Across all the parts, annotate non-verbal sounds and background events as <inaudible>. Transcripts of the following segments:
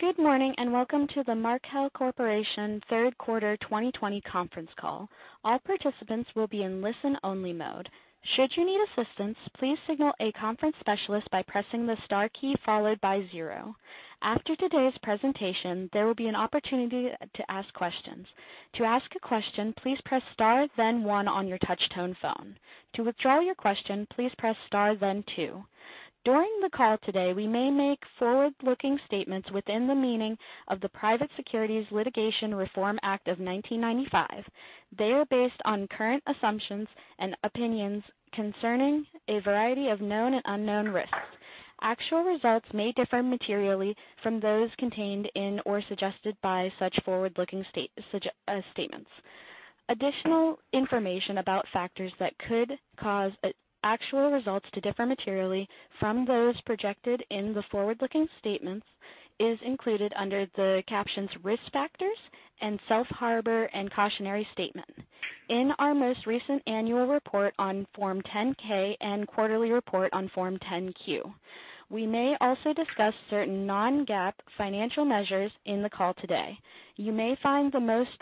Good morning, and welcome to the Markel Corporation third quarter 2020 conference call. During the call today, we may make forward-looking statements within the meaning of the Private Securities Litigation Reform Act of 1995. They are based on current assumptions and opinions concerning a variety of known and unknown risks. Actual results may differ materially from those contained in or suggested by such forward-looking statements. Additional information about factors that could cause actual results to differ materially from those projected in the forward-looking statements is included under the captions "risk factors" and "safe harbor and cautionary statement" in our most recent annual report on Form 10-K and quarterly report on Form 10-Q. We may also discuss certain non-GAAP financial measures in the call today. You may find the most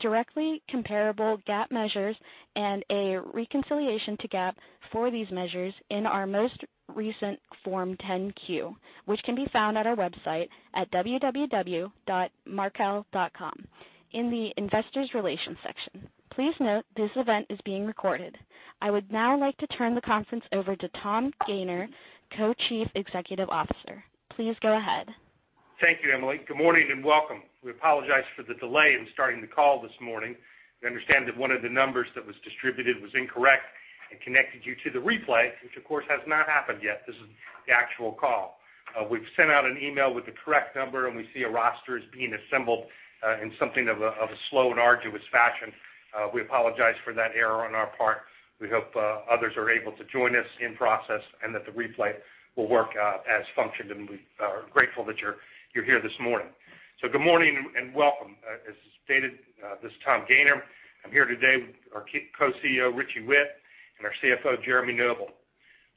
directly comparable GAAP measures and a reconciliation to GAAP for these measures in our most recent Form 10-Q, which can be found at our website at www.markel.com in the investors relations section. Please note this event is being recorded. I would now like to turn the conference over to Tom Gayner, Co-Chief Executive Officer. Please go ahead. Thank you, Emily. Good morning and welcome. We apologize for the delay in starting the call this morning. We understand that one of the numbers that was distributed was incorrect and connected you to the replay, which of course has not happened yet. This is the actual call. We've sent out an email with the correct number, and we see a roster is being assembled in something of a slow and arduous fashion. We apologize for that error on our part. We hope others are able to join us in process and that the replay will work as functioned, and we are grateful that you're here this morning. Good morning and welcome. As stated, this is Tom Gayner. I'm here today with our Co-CEO, Richie Whitt, and our CFO, Jeremy Noble.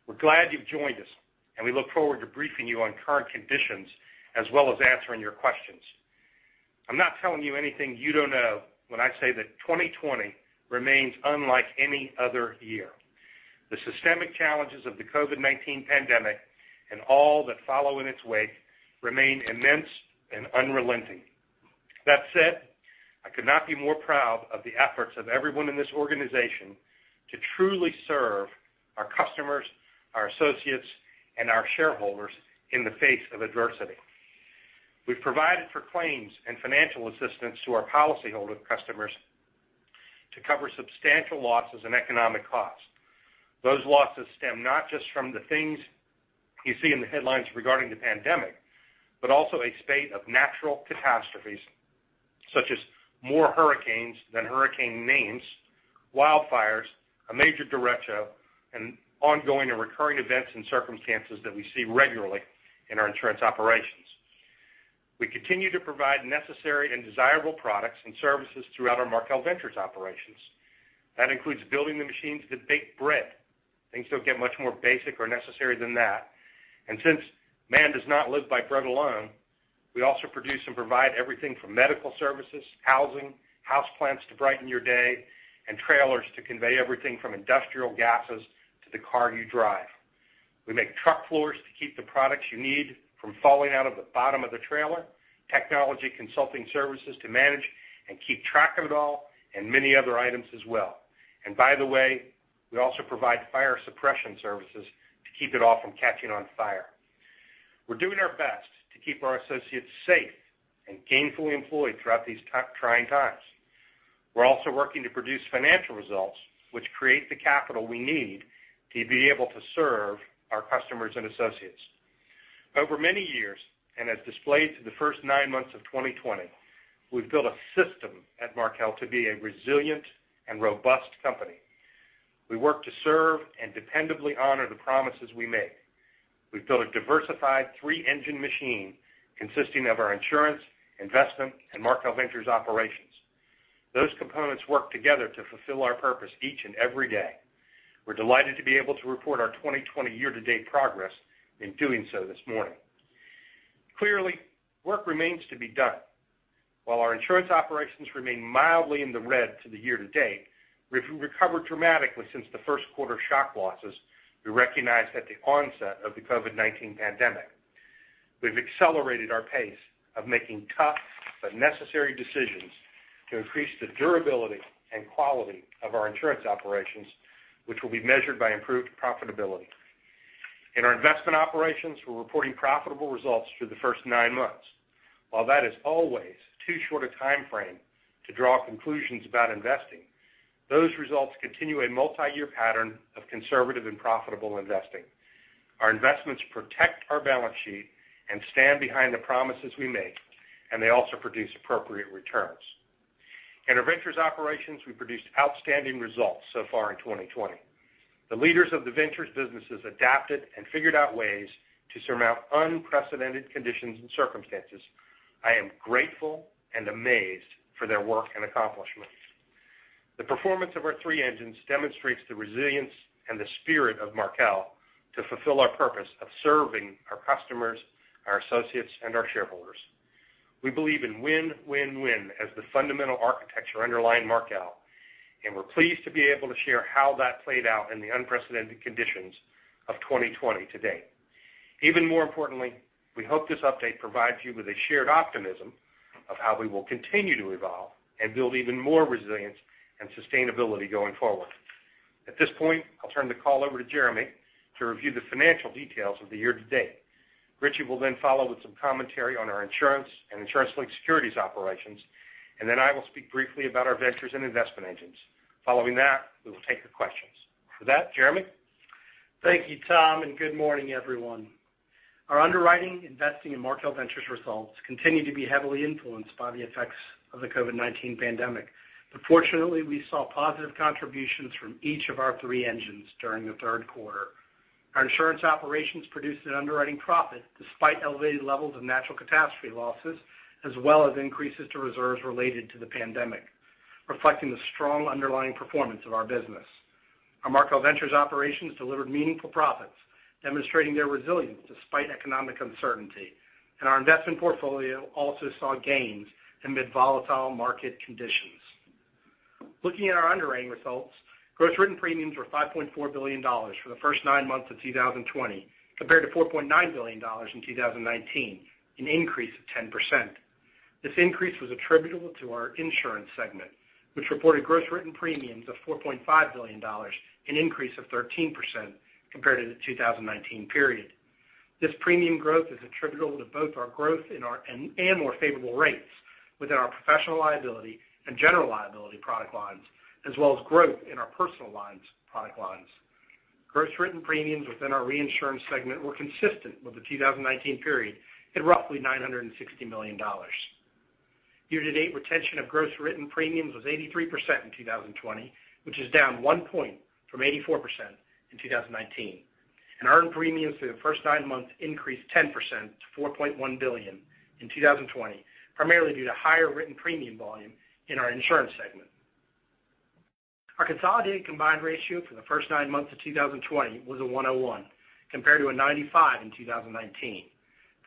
We're glad you've joined us, and we look forward to briefing you on current conditions as well as answering your questions. I'm not telling you anything you don't know when I say that 2020 remains unlike any other year. The systemic challenges of the COVID-19 pandemic and all that follow in its wake remain immense and unrelenting. That said, I could not be more proud of the efforts of everyone in this organization to truly serve our customers, our associates, and our shareholders in the face of adversity. We've provided for claims and financial assistance to our policyholder customers to cover substantial losses and economic costs. Those losses stem not just from the things you see in the headlines regarding the pandemic, but also a spate of natural catastrophes, such as more hurricanes than hurricane names, wildfires, a major derecho, and ongoing and recurring events and circumstances that we see regularly in our insurance operations. We continue to provide necessary and desirable products and services throughout our Markel Ventures operations. That includes building the machines that bake bread. Things don't get much more basic or necessary than that. Since man does not live by bread alone, we also produce and provide everything from medical services, housing, houseplants to brighten your day, and trailers to convey everything from industrial gases to the car you drive. We make truck floors to keep the products you need from falling out of the bottom of the trailer, technology consulting services to manage and keep track of it all, many other items as well. By the way, we also provide fire suppression services to keep it all from catching on fire. We're doing our best to keep our associates safe and gainfully employed throughout these trying times. We're also working to produce financial results, which create the capital we need to be able to serve our customers and associates. Over many years, and as displayed through the first nine months of 2020, we've built a system at Markel to be a resilient and robust company. We work to serve and dependably honor the promises we make. We've built a diversified three-engine machine consisting of our insurance, investment, and Markel Ventures operations. Those components work together to fulfill our purpose each and every day. We're delighted to be able to report our 2020 year-to-date progress in doing so this morning. Clearly, work remains to be done. While our insurance operations remain mildly in the red to the year-to-date, we've recovered dramatically since the first quarter shock losses we recognized at the onset of the COVID-19 pandemic. We've accelerated our pace of making tough but necessary decisions to increase the durability and quality of our insurance operations, which will be measured by improved profitability. In our investment operations, we're reporting profitable results through the first nine months. While that is always too short a timeframe to draw conclusions about investing, those results continue a multi-year pattern of conservative and profitable investing. Our investments protect our balance sheet and stand behind the promises we make, and they also produce appropriate returns. In our ventures operations, we produced outstanding results so far in 2020. The leaders of the ventures businesses adapted and figured out ways to surmount unprecedented conditions and circumstances. I am grateful and amazed for their work and accomplishments. The performance of our three engines demonstrates the resilience and the spirit of Markel to fulfill our purpose of serving our customers, our associates, and our shareholders. We believe in win-win-win as the fundamental architecture underlying Markel, we're pleased to be able to share how that played out in the unprecedented conditions of 2020 today. Even more importantly, we hope this update provides you with a shared optimism of how we will continue to evolve and build even more resilience and sustainability going forward. At this point, I'll turn the call over to Jeremy to review the financial details of the year to date. Richie will then follow with some commentary on our insurance and insurance-linked securities operations. I will speak briefly about our ventures and investment engines. Following that, we will take your questions. With that, Jeremy? Thank you, Tom. Good morning, everyone. Our underwriting, investing in Markel Ventures results continue to be heavily influenced by the effects of the COVID-19 pandemic. Fortunately, we saw positive contributions from each of our three engines during the third quarter. Our insurance operations produced an underwriting profit despite elevated levels of natural catastrophe losses, as well as increases to reserves related to the pandemic, reflecting the strong underlying performance of our business. Our Markel Ventures operations delivered meaningful profits, demonstrating their resilience despite economic uncertainty. Our investment portfolio also saw gains amid volatile market conditions. Looking at our underwriting results, gross written premiums were $5.4 billion for the first nine months of 2020 compared to $4.9 billion in 2019, an increase of 10%. This increase was attributable to our insurance segment, which reported gross written premiums of $4.5 billion, an increase of 13% compared to the 2019 period. This premium growth is attributable to both our growth and more favorable rates within our professional liability and general liability product lines, as well as growth in our personal product lines. Gross written premiums within our reinsurance segment were consistent with the 2019 period at roughly $960 million. Year-to-date retention of gross written premiums was 83% in 2020, which is down one point from 84% in 2019. Earned premiums for the first nine months increased 10% to $4.1 billion in 2020, primarily due to higher written premium volume in our insurance segment. Our consolidated combined ratio for the first nine months of 2020 was a 101, compared to a 95 in 2019.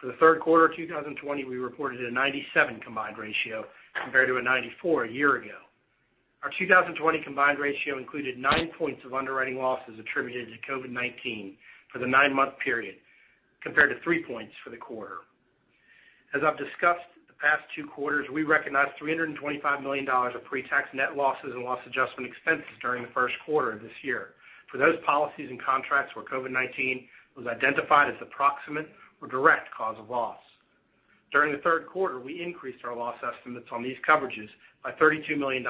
For the third quarter 2020, we reported a 97 combined ratio compared to a 94 a year ago. Our 2020 combined ratio included nine points of underwriting losses attributed to COVID-19 for the nine-month period, compared to three points for the quarter. As I've discussed the past two quarters, we recognized $325 million of pre-tax net losses and loss adjustment expenses during the first quarter of this year for those policies and contracts where COVID-19 was identified as the proximate or direct cause of loss. During the third quarter, we increased our loss estimates on these coverages by $32 million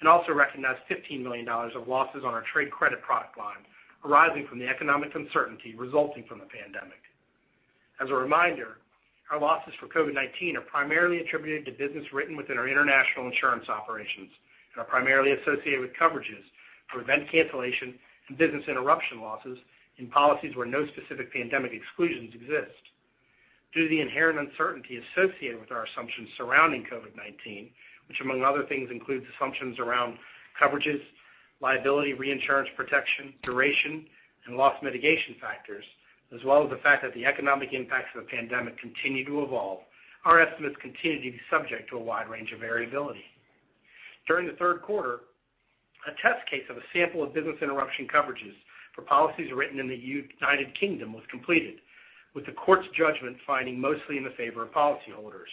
and also recognized $15 million of losses on our trade credit product line arising from the economic uncertainty resulting from the pandemic. As a reminder, our losses for COVID-19 are primarily attributed to business written within our international insurance operations and are primarily associated with coverages for event cancellation and business interruption losses in policies where no specific pandemic exclusions exist. Due to the inherent uncertainty associated with our assumptions surrounding COVID-19, which among other things includes assumptions around coverages, liability, reinsurance protection, duration, and loss mitigation factors, as well as the fact that the economic impacts of the pandemic continue to evolve, our estimates continue to be subject to a wide range of variability. During the third quarter, a test case of a sample of business interruption coverages for policies written in the United Kingdom was completed, with the court's judgment finding mostly in the favor of policyholders.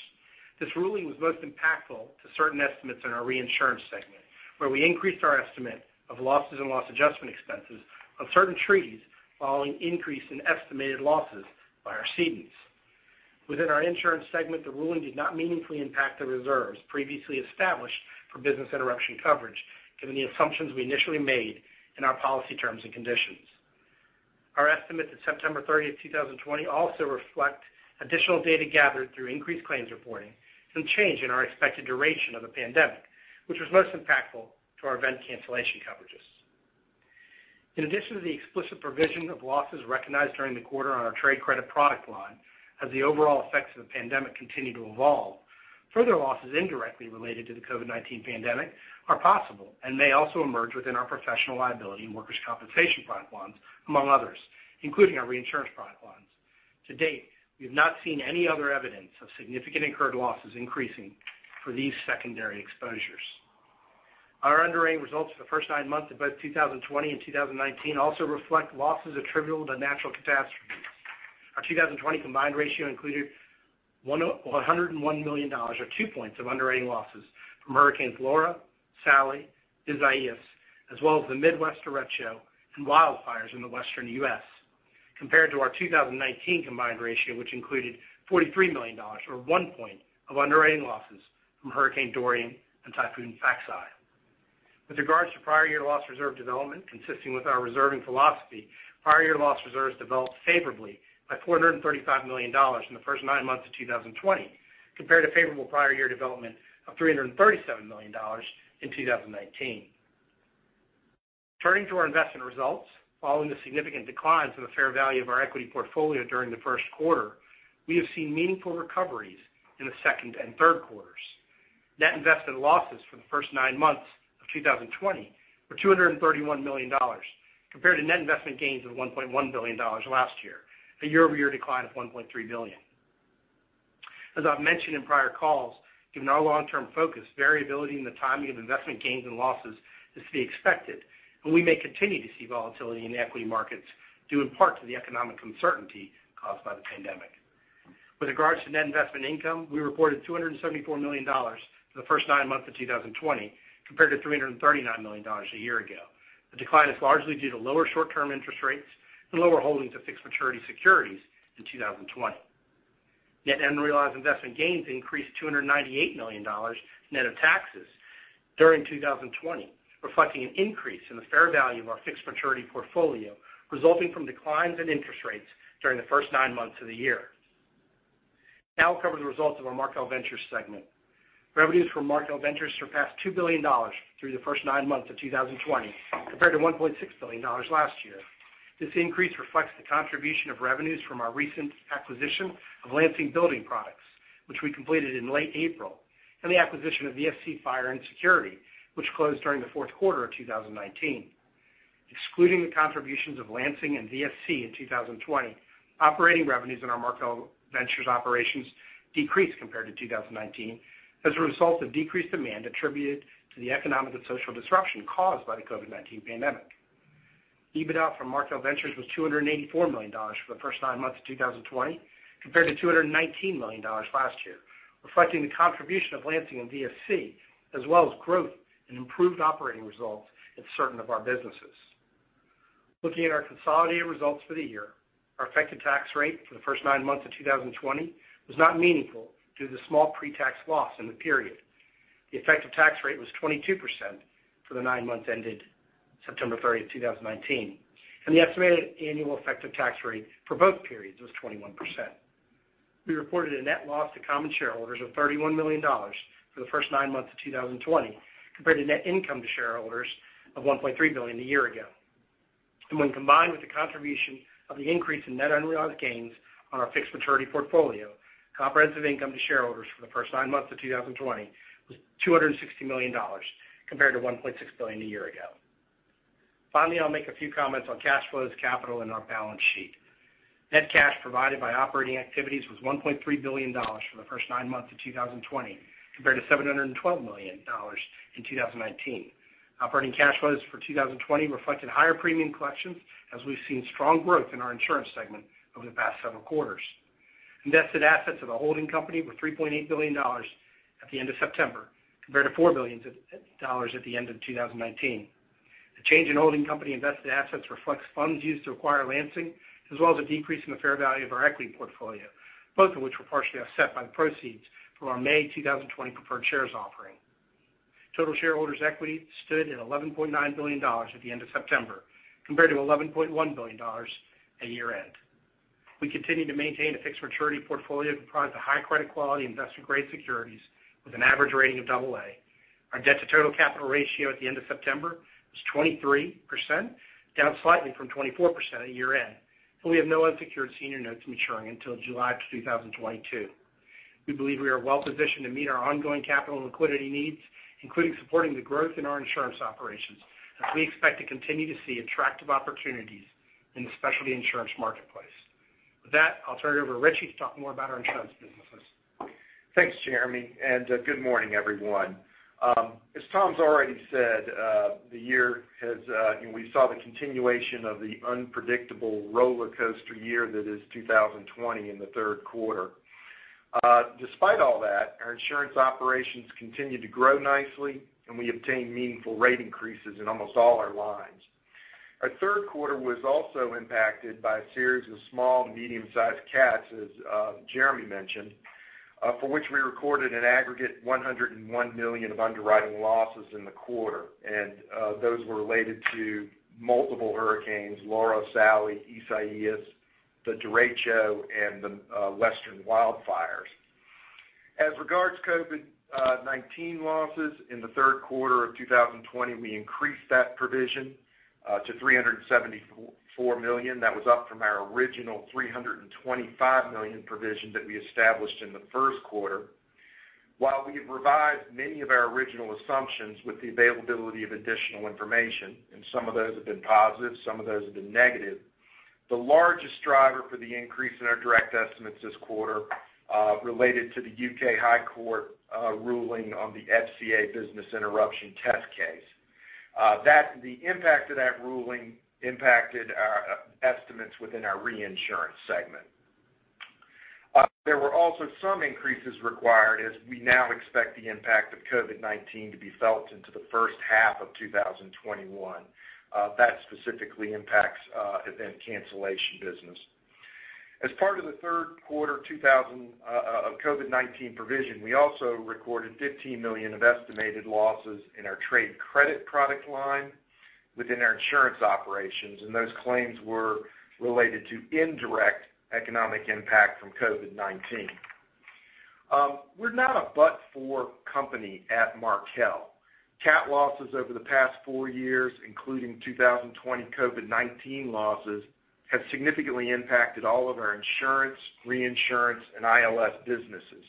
This ruling was most impactful to certain estimates in our reinsurance segment, where we increased our estimate of losses and loss adjustment expenses on certain treaties following increase in estimated losses by our cedents. Within our insurance segment, the ruling did not meaningfully impact the reserves previously established for business interruption coverage, given the assumptions we initially made in our policy terms and conditions. Our estimates at September 30, 2020 also reflect additional data gathered through increased claims reporting and change in our expected duration of the pandemic, which was most impactful to our event cancellation coverages. In addition to the explicit provision of losses recognized during the quarter on our trade credit product line, as the overall effects of the pandemic continue to evolve, further losses indirectly related to the COVID-19 pandemic are possible and may also emerge within our professional liability and workers' compensation product lines, among others, including our reinsurance product lines. To date, we've not seen any other evidence of significant incurred losses increasing for these secondary exposures. Our underwriting results for the first nine months of both 2020 and 2019 also reflect losses attributable to natural catastrophes. Our 2020 combined ratio included $101 million, or two points, of underwriting losses from hurricanes Laura, Sally, Isaias, as well as the Midwest derecho and wildfires in the western U.S. Compared to our 2019 combined ratio, which included $43 million, or one point, of underwriting losses from Hurricane Dorian and Typhoon Faxai. With regards to prior year loss reserve development, consistent with our reserving philosophy, prior year loss reserves developed favorably by $435 million in the first nine months of 2020, compared to favorable prior year development of $337 million in 2019. Turning to our investment results. Following the significant declines in the fair value of our equity portfolio during the first quarter, we have seen meaningful recoveries in the second and third quarters. Net investment losses for the first nine months of 2020 were $231 million, compared to net investment gains of $1.1 billion last year, a year-over-year decline of $1.3 billion. As I've mentioned in prior calls, given our long-term focus, variability in the timing of investment gains and losses is to be expected, we may continue to see volatility in equity markets due in part to the economic uncertainty caused by the pandemic. With regards to net investment income, we reported $274 million for the first nine months of 2020, compared to $339 million a year ago. The decline is largely due to lower short-term interest rates and lower holdings of fixed maturity securities in 2020. Net unrealized investment gains increased to $298 million net of taxes during 2020, reflecting an increase in the fair value of our fixed maturity portfolio, resulting from declines in interest rates during the first nine months of the year. Now I'll cover the results of our Markel Ventures segment. Revenues for Markel Ventures surpassed $2 billion through the first nine months of 2020, compared to $1.6 billion last year. This increase reflects the contribution of revenues from our recent acquisition of Lansing Building Products, which we completed in late April, and the acquisition of VSC Fire & Security, which closed during the fourth quarter of 2019. Excluding the contributions of Lansing and VSC in 2020, operating revenues in our Markel Ventures operations decreased compared to 2019 as a result of decreased demand attributed to the economic and social disruption caused by the COVID-19 pandemic. EBITDA from Markel Ventures was $284 million for the first nine months of 2020, compared to $219 million last year, reflecting the contribution of Lansing and VSC, as well as growth and improved operating results in certain of our businesses. Looking at our consolidated results for the year, our effective tax rate for the first nine months of 2020 was not meaningful due to the small pre-tax loss in the period. The effective tax rate was 22% for the nine months ended September 30th, 2019, and the estimated annual effective tax rate for both periods was 21%. We reported a net loss to common shareholders of $31 million for the first nine months of 2020, compared to net income to shareholders of $1.3 billion a year ago. When combined with the contribution of the increase in net unrealized gains on our fixed maturity portfolio, comprehensive income to shareholders for the first nine months of 2020 was $260 million, compared to $1.6 billion a year ago. Finally, I'll make a few comments on cash flows, capital, and our balance sheet. Net cash provided by operating activities was $1.3 billion for the first nine months of 2020, compared to $712 million in 2019. Operating cash flows for 2020 reflected higher premium collections as we've seen strong growth in our insurance segment over the past several quarters. Invested assets of the holding company were $3.8 billion at the end of September, compared to $4 billion at the end of 2019. The change in holding company invested assets reflects funds used to acquire Lansing, as well as a decrease in the fair value of our equity portfolio, both of which were partially offset by the proceeds from our May 2020 preferred shares offering. Total shareholders' equity stood at $11.9 billion at the end of September, compared to $11.1 billion at year-end. We continue to maintain a fixed maturity portfolio comprised of high credit quality investment-grade securities with an average rating of double A. Our debt-to-total capital ratio at the end of September was 23%, down slightly from 24% at year-end, and we have no unsecured senior notes maturing until July of 2022. We believe we are well positioned to meet our ongoing capital and liquidity needs, including supporting the growth in our insurance operations, as we expect to continue to see attractive opportunities in the specialty insurance marketplace. With that, I'll turn it over to Richie to talk more about our insurance businesses. Thanks, Jeremy. Good morning, everyone. As Tom's already said, we saw the continuation of the unpredictable rollercoaster year that is 2020 in the third quarter. Despite all that, our insurance operations continued to grow nicely. We obtained meaningful rate increases in almost all our lines. Our third quarter was also impacted by a series of small, medium-sized CATs, as Jeremy mentioned, for which we recorded an aggregate $101 million of underwriting losses in the quarter. Those were related to multiple hurricanes, Laura, Sally, Isaias, the derecho, and the western wildfires. As regards COVID-19 losses in the third quarter of 2020, we increased that provision to $374 million. That was up from our original $325 million provision that we established in the first quarter. While we have revised many of our original assumptions with the availability of additional information, and some of those have been positive, some of those have been negative, the largest driver for the increase in our direct estimates this quarter related to the U.K. High Court ruling on the FCA business interruption test case. The impact of that ruling impacted our estimates within our reinsurance segment. There were also some increases required as we now expect the impact of COVID-19 to be felt into the first half of 2021. That specifically impacts event cancellation business. As part of the third quarter of COVID-19 provision, we also recorded $15 million of estimated losses in our trade credit product line within our insurance operations, and those claims were related to indirect economic impact from COVID-19. We're not a but-for company at Markel. CAT losses over the past four years, including 2020 COVID-19 losses, have significantly impacted all of our insurance, reinsurance, and ILS businesses.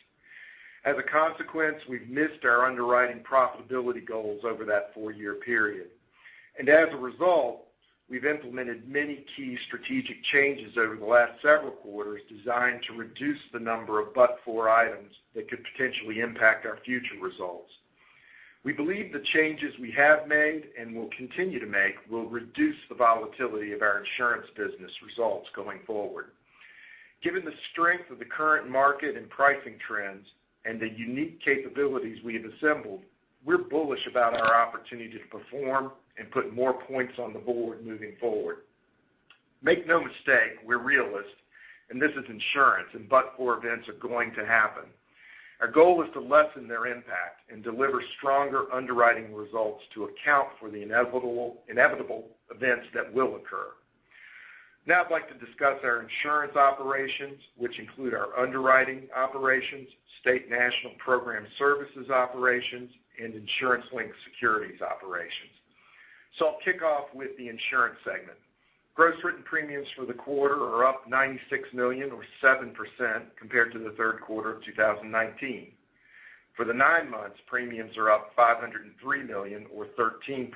As a consequence, we've missed our underwriting profitability goals over that four-year period. As a result, we've implemented many key strategic changes over the last several quarters designed to reduce the number of but-for items that could potentially impact our future results. We believe the changes we have made and will continue to make will reduce the volatility of our insurance business results going forward. Given the strength of the current market and pricing trends and the unique capabilities we have assembled, we're bullish about our opportunity to perform and put more points on the board moving forward. Make no mistake, we're realists, and this is insurance, and but-for events are going to happen. Our goal is to lessen their impact and deliver stronger underwriting results to account for the inevitable events that will occur. Now I'd like to discuss our insurance operations, which include our underwriting operations, State National program services operations, and insurance-linked securities operations. I'll kick off with the insurance segment. Gross written premiums for the quarter are up $96 million or 7% compared to the third quarter of 2019. For the nine months, premiums are up $503 million or 13%.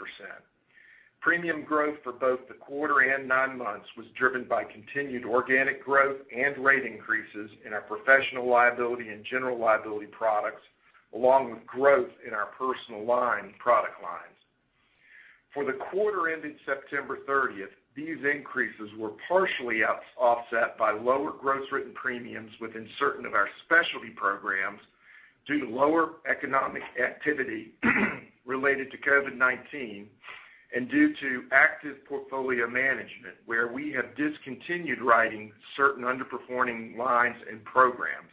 Premium growth for both the quarter and nine months was driven by continued organic growth and rate increases in our professional liability and general liability products, along with growth in our personal line product lines. For the quarter ending September 30th, these increases were partially offset by lower gross written premiums within certain of our specialty programs due to lower economic activity related to COVID-19 and due to active portfolio management, where we have discontinued writing certain underperforming lines and programs.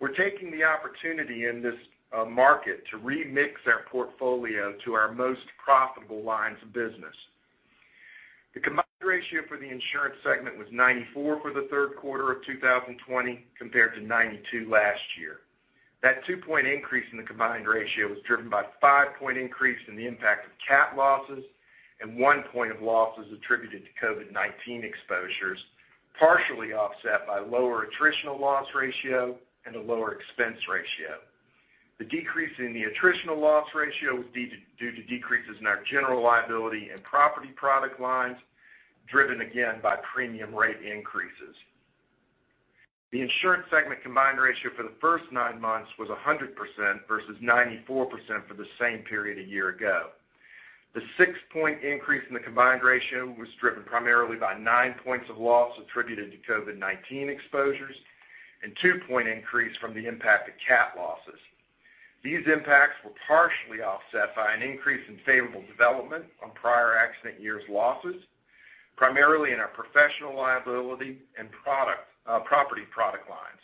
We're taking the opportunity in this market to remix our portfolio to our most profitable lines of business. The combined ratio for the insurance segment was 94 for the third quarter of 2020 compared to 92 last year. That 2-point increase in the combined ratio was driven by a 5-point increase in the impact of CAT losses and 1 point of losses attributed to COVID-19 exposures, partially offset by a lower attritional loss ratio and a lower expense ratio. The decrease in the attritional loss ratio was due to decreases in our general liability and property product lines, driven again by premium rate increases. The insurance segment combined ratio for the first nine months was 100% versus 94% for the same period a year ago. The six-point increase in the combined ratio was driven primarily by nine points of loss attributed to COVID-19 exposures and a two-point increase from the impact of CAT losses. These impacts were partially offset by an increase in favorable development on prior accident years' losses, primarily in our professional liability and property product lines,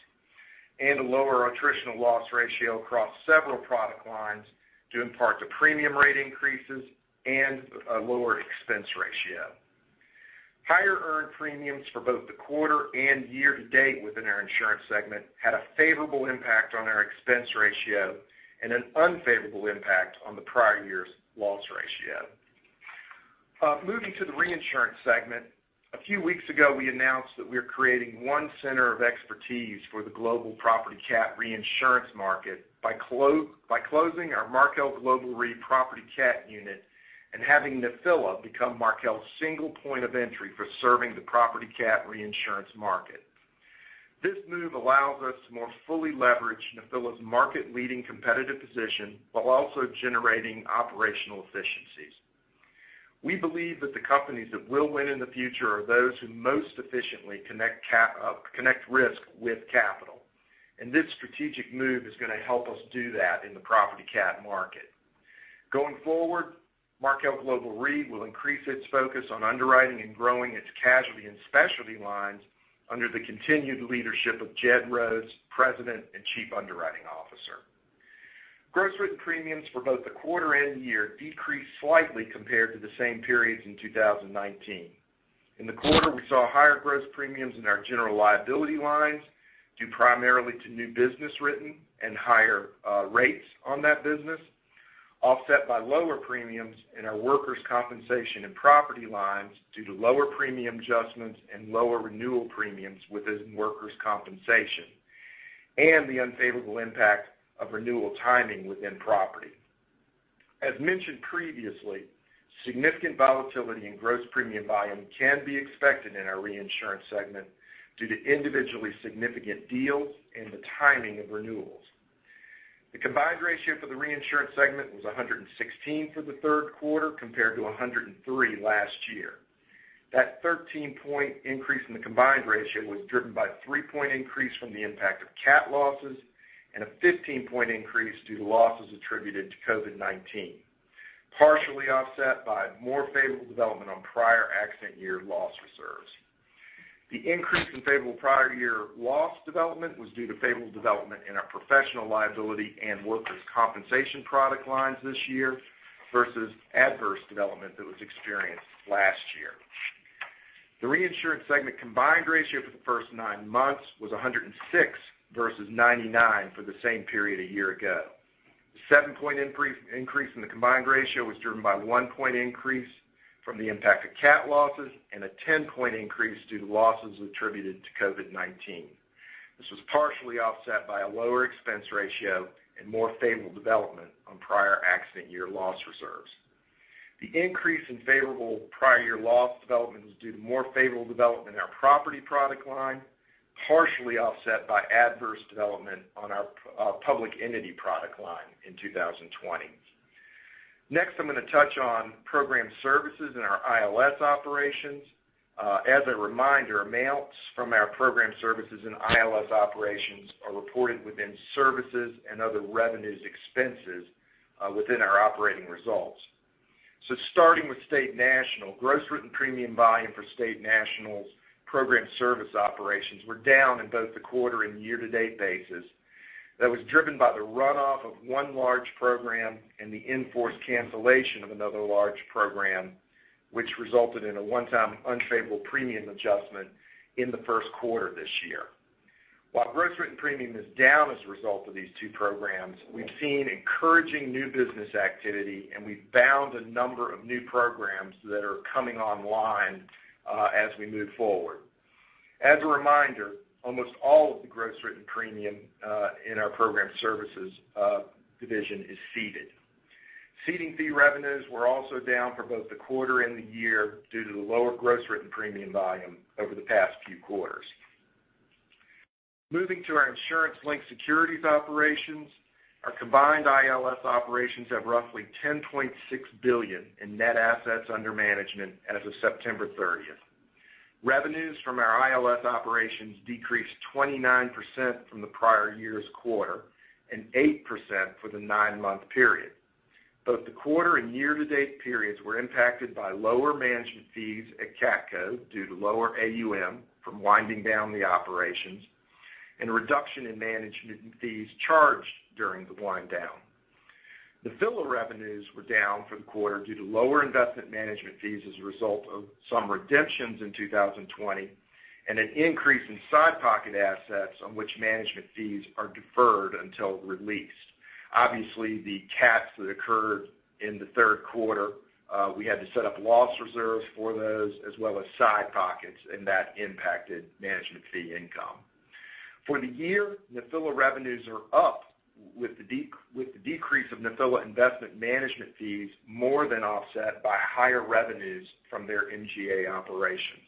and a lower attritional loss ratio across several product lines due in part to premium rate increases and a lower expense ratio. Higher earned premiums for both the quarter and year-to-date within our insurance segment had a favorable impact on our expense ratio and an unfavorable impact on the prior year's loss ratio. Moving to the reinsurance segment. A few weeks ago, we announced that we are creating one center of expertise for the global property CAT reinsurance market by closing our Markel Global Re property CAT unit and having Nephila become Markel's single point of entry for serving the property CAT reinsurance market. This move allows us to more fully leverage Nephila's market-leading competitive position while also generating operational efficiencies. We believe that the companies that will win in the future are those who most efficiently connect risk with capital. This strategic move is going to help us do that in the property CAT market. Going forward, Markel Global Re will increase its focus on underwriting and growing its casualty and specialty lines under the continued leadership of Jed Rhoads, President and Chief Underwriting Officer. Gross written premiums for both the quarter and year decreased slightly compared to the same periods in 2019. In the quarter, we saw higher gross premiums in our general liability lines, due primarily to new business written and higher rates on that business, offset by lower premiums in our workers' compensation and property lines due to lower premium adjustments and lower renewal premiums within workers' compensation, and the unfavorable impact of renewal timing within property. As mentioned previously, significant volatility in gross premium volume can be expected in our reinsurance segment due to individually significant deals and the timing of renewals. The combined ratio for the reinsurance segment was 116 for the third quarter, compared to 103 last year. That 13-point increase in the combined ratio was driven by a three-point increase from the impact of CAT losses and a 15-point increase due to losses attributed to COVID-19, partially offset by more favorable development on prior accident year loss reserves. The increase in favorable prior year loss development was due to favorable development in our professional liability and workers' compensation product lines this year versus adverse development that was experienced last year. The reinsurance segment combined ratio for the first nine months was 106 versus 99 for the same period a year ago. The seven-point increase in the combined ratio was driven by a one-point increase from the impact of CAT losses and a 10-point increase due to losses attributed to COVID-19. This was partially offset by a lower expense ratio and more favorable development on prior accident year loss reserves. The increase in favorable prior year loss developments is due to more favorable development in our property product line, partially offset by adverse development on our public entity product line in 2020. Next, I'm going to touch on program services and our ILS operations. As a reminder, amounts from our program services and ILS operations are reported within services and other revenues expenses within our operating results. Starting with State National, gross written premium volume for State National's program service operations were down in both the quarter and year-to-date basis. That was driven by the runoff of one large program and the in-force cancellation of another large program, which resulted in a one-time unfavorable premium adjustment in the first quarter this year. While gross written premium is down as a result of these two programs, we've seen encouraging new business activity, and we've bound a number of new programs that are coming online as we move forward. As a reminder, almost all of the gross written premium, in our program services division is ceded. Ceding fee revenues were also down for both the quarter and the year due to the lower gross written premium volume over the past few quarters. Moving to our insurance-linked securities operations, our combined ILS operations have roughly $10.6 billion in net assets under management as of September 30th. Revenues from our ILS operations decreased 29% from the prior year's quarter and 8% for the nine-month period. Both the quarter and year-to-date periods were impacted by lower management fees at Catco due to lower AUM from winding down the operations and a reduction in management fees charged during the wind down. Nephila revenues were down for the quarter due to lower investment management fees as a result of some redemptions in 2020 and an increase in side pocket assets on which management fees are deferred until released. Obviously, the cats that occurred in the third quarter, we had to set up loss reserves for those as well as side pockets, and that impacted management fee income. For the year, Nephila revenues are up with the decrease of Nephila investment management fees more than offset by higher revenues from their MGA operations.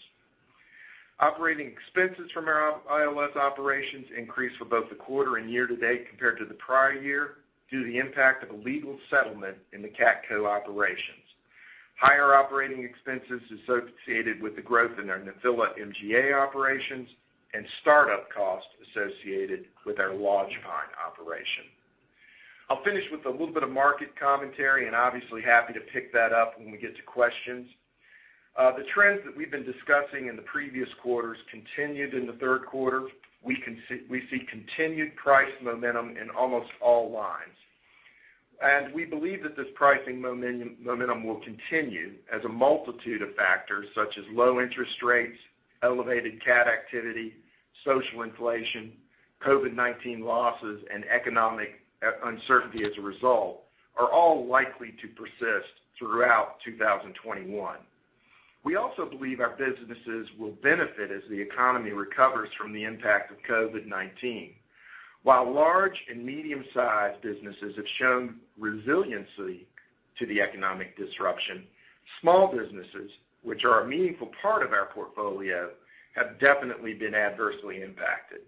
Operating expenses from our ILS operations increased for both the quarter and year-to-date compared to the prior year, due to the impact of a legal settlement in the Catco operations, higher operating expenses associated with the growth in our Nephila MGA operations and start-up costs associated with our Lodgepine operation. I'll finish with a little bit of market commentary, and obviously, happy to pick that up when we get to questions. The trends that we've been discussing in the previous quarters continued in the third quarter. We see continued price momentum in almost all lines. We believe that this pricing momentum will continue as a multitude of factors such as low interest rates, elevated CAT activity, social inflation, COVID-19 losses, and economic uncertainty as a result, are all likely to persist throughout 2021. We also believe our businesses will benefit as the economy recovers from the impact of COVID-19. While large and medium-sized businesses have shown resiliency to the economic disruption, small businesses, which are a meaningful part of our portfolio, have definitely been adversely impacted.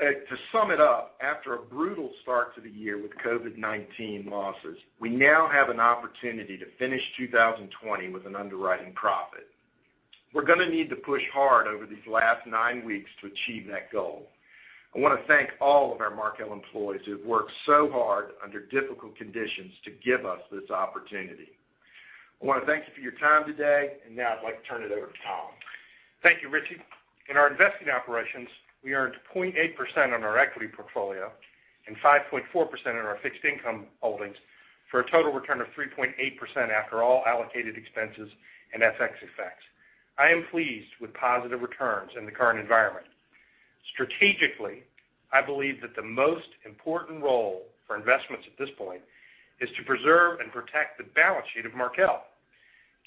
To sum it up, after a brutal start to the year with COVID-19 losses, we now have an opportunity to finish 2020 with an underwriting profit. We're going to need to push hard over these last nine weeks to achieve that goal. I want to thank all of our Markel employees who have worked so hard under difficult conditions to give us this opportunity. I want to thank you for your time today, and now I'd like to turn it over to Tom. Thank you, Richie. In our investing operations, we earned 2.8% on our equity portfolio and 5.4% on our fixed income holdings for a total return of 3.8% after all allocated expenses and FX effects. I am pleased with positive returns in the current environment. Strategically, I believe that the most important role for investments at this point is to preserve and protect the balance sheet of Markel.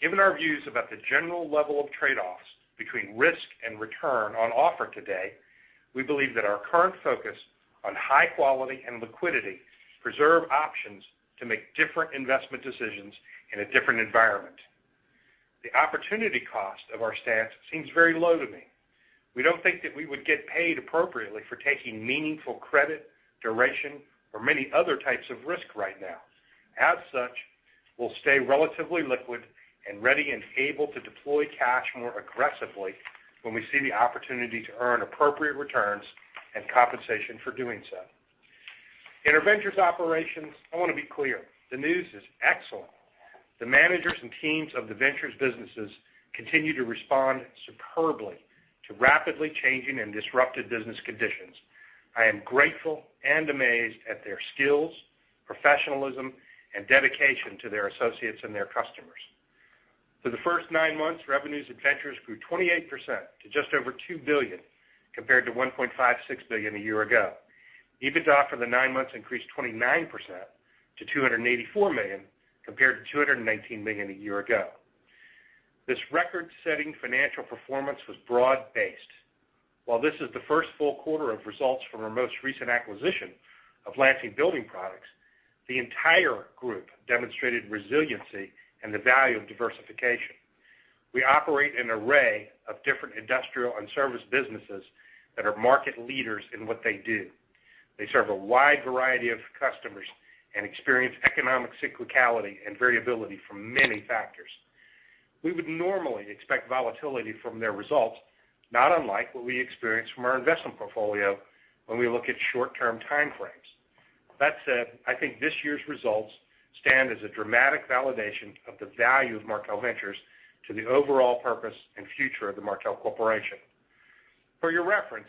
Given our views about the general level of trade-offs between risk and return on offer today, we believe that our current focus on high quality and liquidity preserve options to make different investment decisions in a different environment. The opportunity cost of our stance seems very low to me. We don't think that we would get paid appropriately for taking meaningful credit, duration, or many other types of risk right now. We'll stay relatively liquid and ready and able to deploy cash more aggressively when we see the opportunity to earn appropriate returns and compensation for doing so. In our Ventures operations, I want to be clear, the news is excellent. The managers and teams of the Ventures businesses continue to respond superbly to rapidly changing and disrupted business conditions. I am grateful and amazed at their skills, professionalism, and dedication to their associates and their customers. For the first nine months, revenues at Ventures grew 28% to just over $2 billion, compared to $1.56 billion a year ago. EBITDA for the nine months increased 29% to $284 million, compared to $219 million a year ago. This record-setting financial performance was broad-based. While this is the first full quarter of results from our most recent acquisition of Lansing Building Products, the entire group demonstrated resiliency and the value of diversification. We operate an array of different industrial and service businesses that are market leaders in what they do. They serve a wide variety of customers and experience economic cyclicality and variability from many factors. We would normally expect volatility from their results, not unlike what we experience from our investment portfolio when we look at short-term time frames. That said, I think this year's results stand as a dramatic validation of the value of Markel Ventures to the overall purpose and future of the Markel Corporation. For your reference,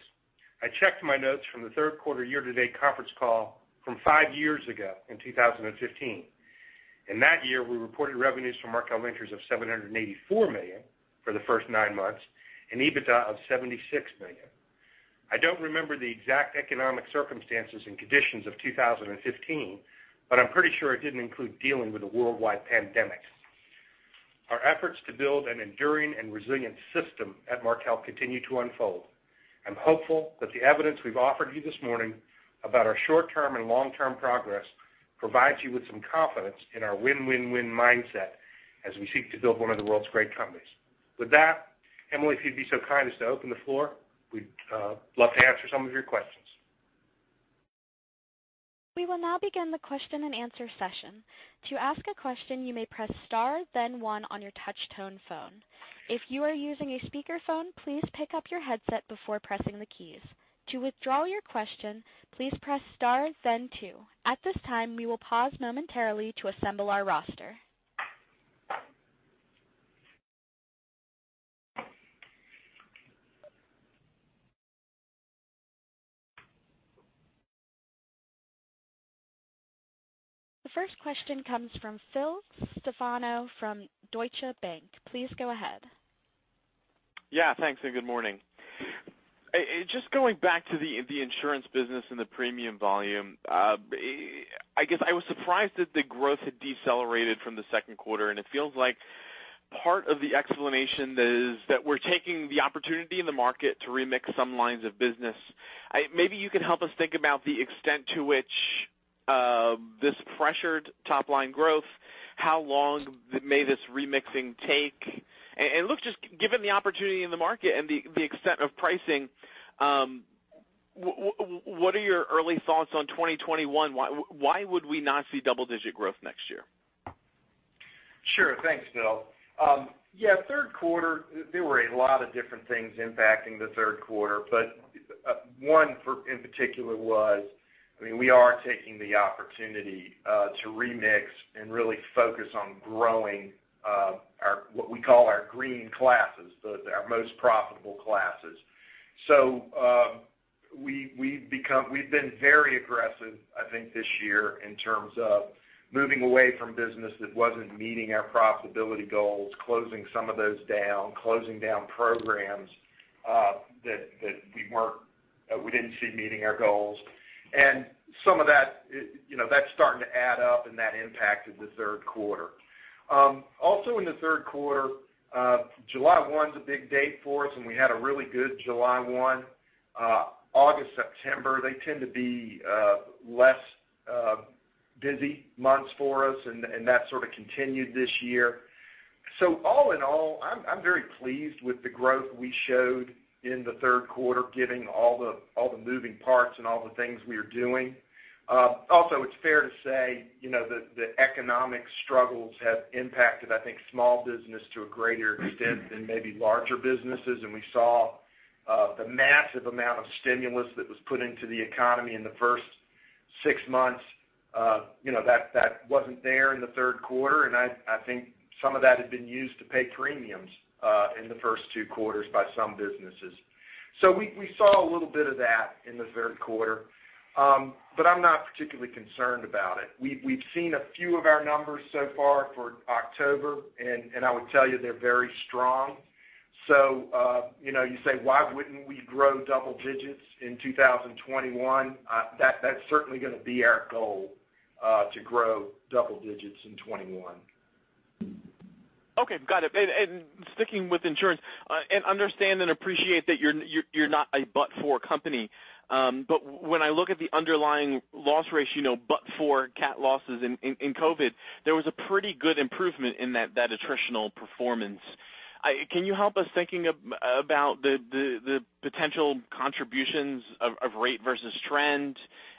I checked my notes from the third quarter year-to-date conference call from five years ago in 2015. In that year, we reported revenues from Markel Ventures of $784 million for the first nine months and EBITDA of $76 million. I don't remember the exact economic circumstances and conditions of 2015, but I'm pretty sure it didn't include dealing with a worldwide pandemic. Our efforts to build an enduring and resilient system at Markel continue to unfold. I'm hopeful that the evidence we've offered you this morning about our short-term and long-term progress provides you with some confidence in our win-win-win mindset as we seek to build one of the world's great companies. With that, Emily, if you'd be so kind as to open the floor, we'd love to answer some of your questions. The first question comes from Phil Stefano from Deutsche Bank. Please go ahead. Yeah, thanks. Good morning. Just going back to the insurance business and the premium volume. I guess I was surprised that the growth had decelerated from the second quarter, and it feels like part of the explanation is that we're taking the opportunity in the market to remix some lines of business. Maybe you could help us think about the extent to which this pressured top-line growth, how long may this remixing take? Look, just given the opportunity in the market and the extent of pricing, what are your early thoughts on 2021? Why would we not see double-digit growth next year? Sure. Thanks, Phil. Third quarter, there were a lot of different things impacting the third quarter, but one in particular was, we are taking the opportunity to remix and really focus on growing what we call our green classes, so they're our most profitable classes. We've been very aggressive, I think, this year in terms of moving away from business that wasn't meeting our profitability goals, closing some of those down, closing down programs that we didn't see meeting our goals. Some of that's starting to add up, and that impacted the third quarter. Also in the third quarter, July 1's a big date for us, and we had a really good July 1. August, September, they tend to be less busy months for us, and that sort of continued this year. All in all, I'm very pleased with the growth we showed in the third quarter, given all the moving parts and all the things we are doing. Also, it's fair to say the economic struggles have impacted, I think, small business to a greater extent than maybe larger businesses. We saw the massive amount of stimulus that was put into the economy in the first six months. That wasn't there in the third quarter, and I think some of that had been used to pay premiums in the first two quarters by some businesses. We saw a little bit of that in the third quarter, but I'm not particularly concerned about it. We've seen a few of our numbers so far for October, and I would tell you they're very strong. You say, why wouldn't we grow double digits in 2021? That's certainly going to be our goal, to grow double digits in 2021. Okay. Got it. Sticking with insurance, and understand and appreciate that you're not a but-for company. When I look at the underlying loss ratio, but-for CAT losses in COVID, there was a pretty good improvement in that attritional performance. Can you help us thinking about the potential contributions of rate versus trend,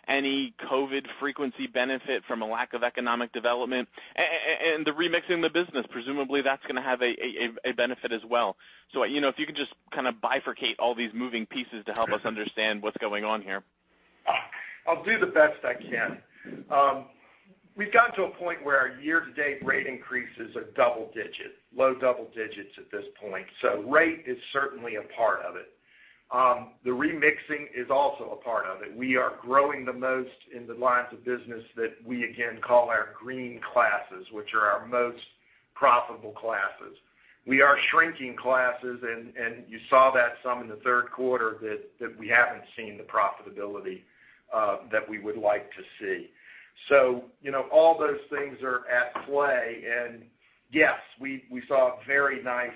any COVID frequency benefit from a lack of economic development, and the remix in the business? Presumably, that's going to have a benefit as well. If you could just kind of bifurcate all these moving pieces to help us understand what's going on here? I'll do the best I can. We've gotten to a point where our year-to-date rate increases are double-digit, low double-digits at this point. Rate is certainly a part of it. The remixing is also a part of it. We are growing the most in the lines of business that we, again, call our green classes, which are our most. Profitable classes. We are shrinking classes, you saw that some in the third quarter that we haven't seen the profitability that we would like to see. All those things are at play. Yes, we saw a very nice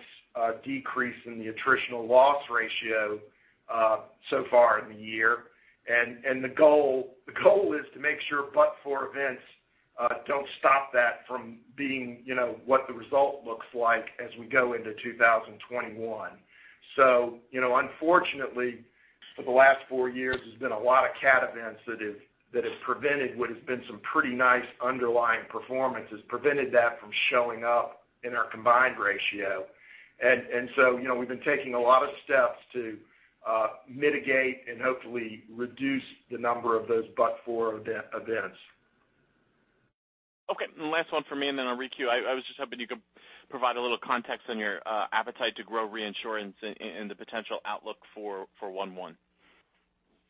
decrease in the attritional loss ratio so far in the year. The goal is to make sure but-for events don't stop that from being what the result looks like as we go into 2021. Unfortunately, for the last four years, there's been a lot of CAT events that have prevented what has been some pretty nice underlying performance. It's prevented that from showing up in our combined ratio. We've been taking a lot of steps to mitigate and hopefully reduce the number of those but-for events. Okay. Last one from me. Then I'll re-queue. I was just hoping you could provide a little context on your appetite to grow reinsurance and the potential outlook for 1/1.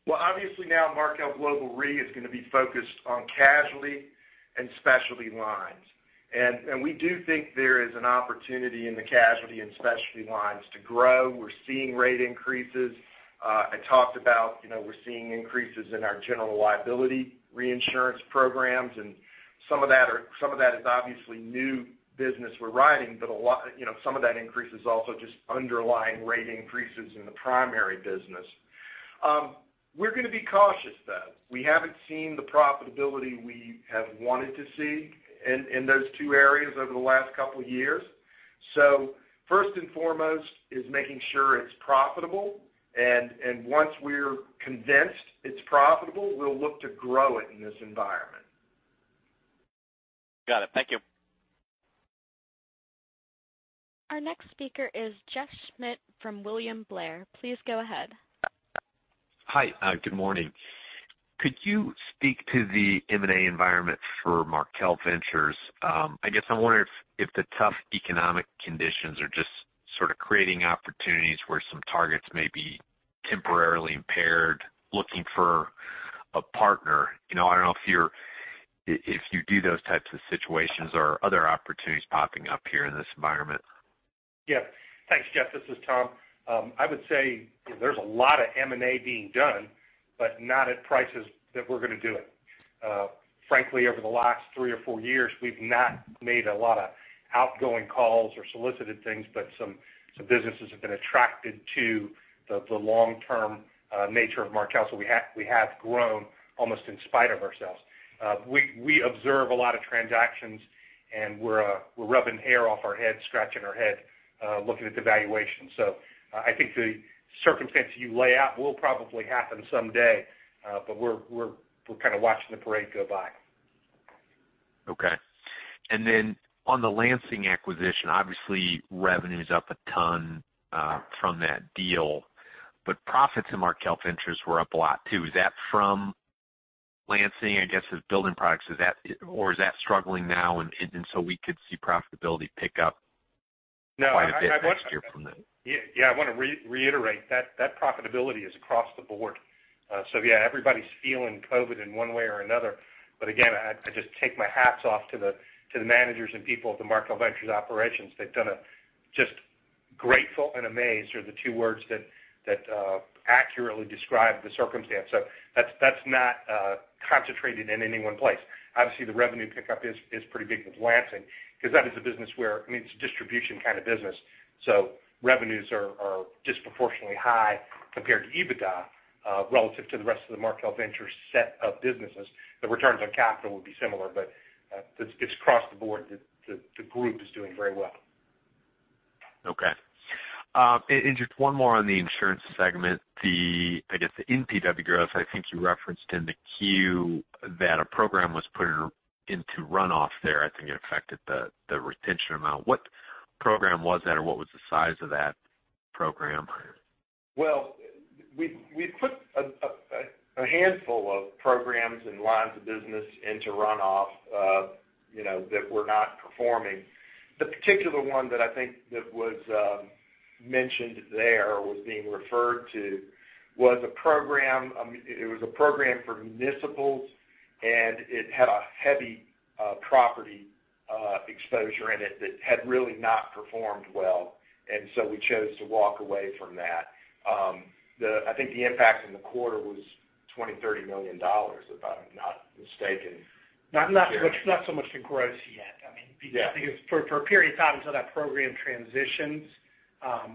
Well, obviously now Markel Global Re is going to be focused on casualty and specialty lines. We do think there is an opportunity in the casualty and specialty lines to grow. We're seeing rate increases. I talked about we're seeing increases in our general liability reinsurance programs, and some of that is obviously new business we're writing, but some of that increase is also just underlying rate increases in the primary business. We're going to be cautious, though. We haven't seen the profitability we have wanted to see in those two areas over the last couple of years. First and foremost is making sure it's profitable, and once we're convinced it's profitable, we'll look to grow it in this environment. Got it. Thank you. Our next speaker is Jeff Schmitt from William Blair. Please go ahead. Hi. Good morning. Could you speak to the M&A environment for Markel Ventures? I guess I'm wondering if the tough economic conditions are just sort of creating opportunities where some targets may be temporarily impaired, looking for a partner. I don't know if you do those types of situations or are other opportunities popping up here in this environment? Yeah. Thanks, Jeff. This is Tom. I would say there's a lot of M&A being done, but not at prices that we're going to do it. Frankly, over the last three or four years, we've not made a lot of outgoing calls or solicited things, but some businesses have been attracted to the long-term nature of Markel, so we have grown almost in spite of ourselves. We observe a lot of transactions, and we're rubbing hair off our head, scratching our head looking at the valuation. I think the circumstance you lay out will probably happen someday. We're kind of watching the parade go by. Okay. On the Lansing acquisition, obviously revenue's up a ton from that deal, but profits in Markel Ventures were up a lot too. Is that from Lansing, I guess, as building products, or is that struggling now, and so we could see profitability pick up quite a bit next year from that? I want to reiterate, that profitability is across the board. Everybody's feeling COVID in one way or another, but again, I just take my hats off to the managers and people at the Markel Ventures operations. They've done just grateful and amazed are the two words that accurately describe the circumstance. That's not concentrated in any one place. Obviously, the revenue pickup is pretty big with Lansing because that is a business where, it's a distribution kind of business, so revenues are disproportionately high compared to EBITDA relative to the rest of the Markel Ventures set of businesses. The returns on capital would be similar, but it's across the board. The group is doing very well. Okay. Just one more on the insurance segment. I guess the NPW growth, I think you referenced in the Q that a program was put into runoff there. I think it affected the retention amount. What program was that, or what was the size of that program? Well, we put a handful of programs and lines of business into runoff that were not performing. The particular one that I think that was mentioned there or was being referred to was a program for municipals, and it had a heavy property exposure in it that had really not performed well, and so we chose to walk away from that. I think the impact in the quarter was $20 million-$30 million, if I'm not mistaken. Not so much to gross yet. Yeah. For a period of time until that program transitions,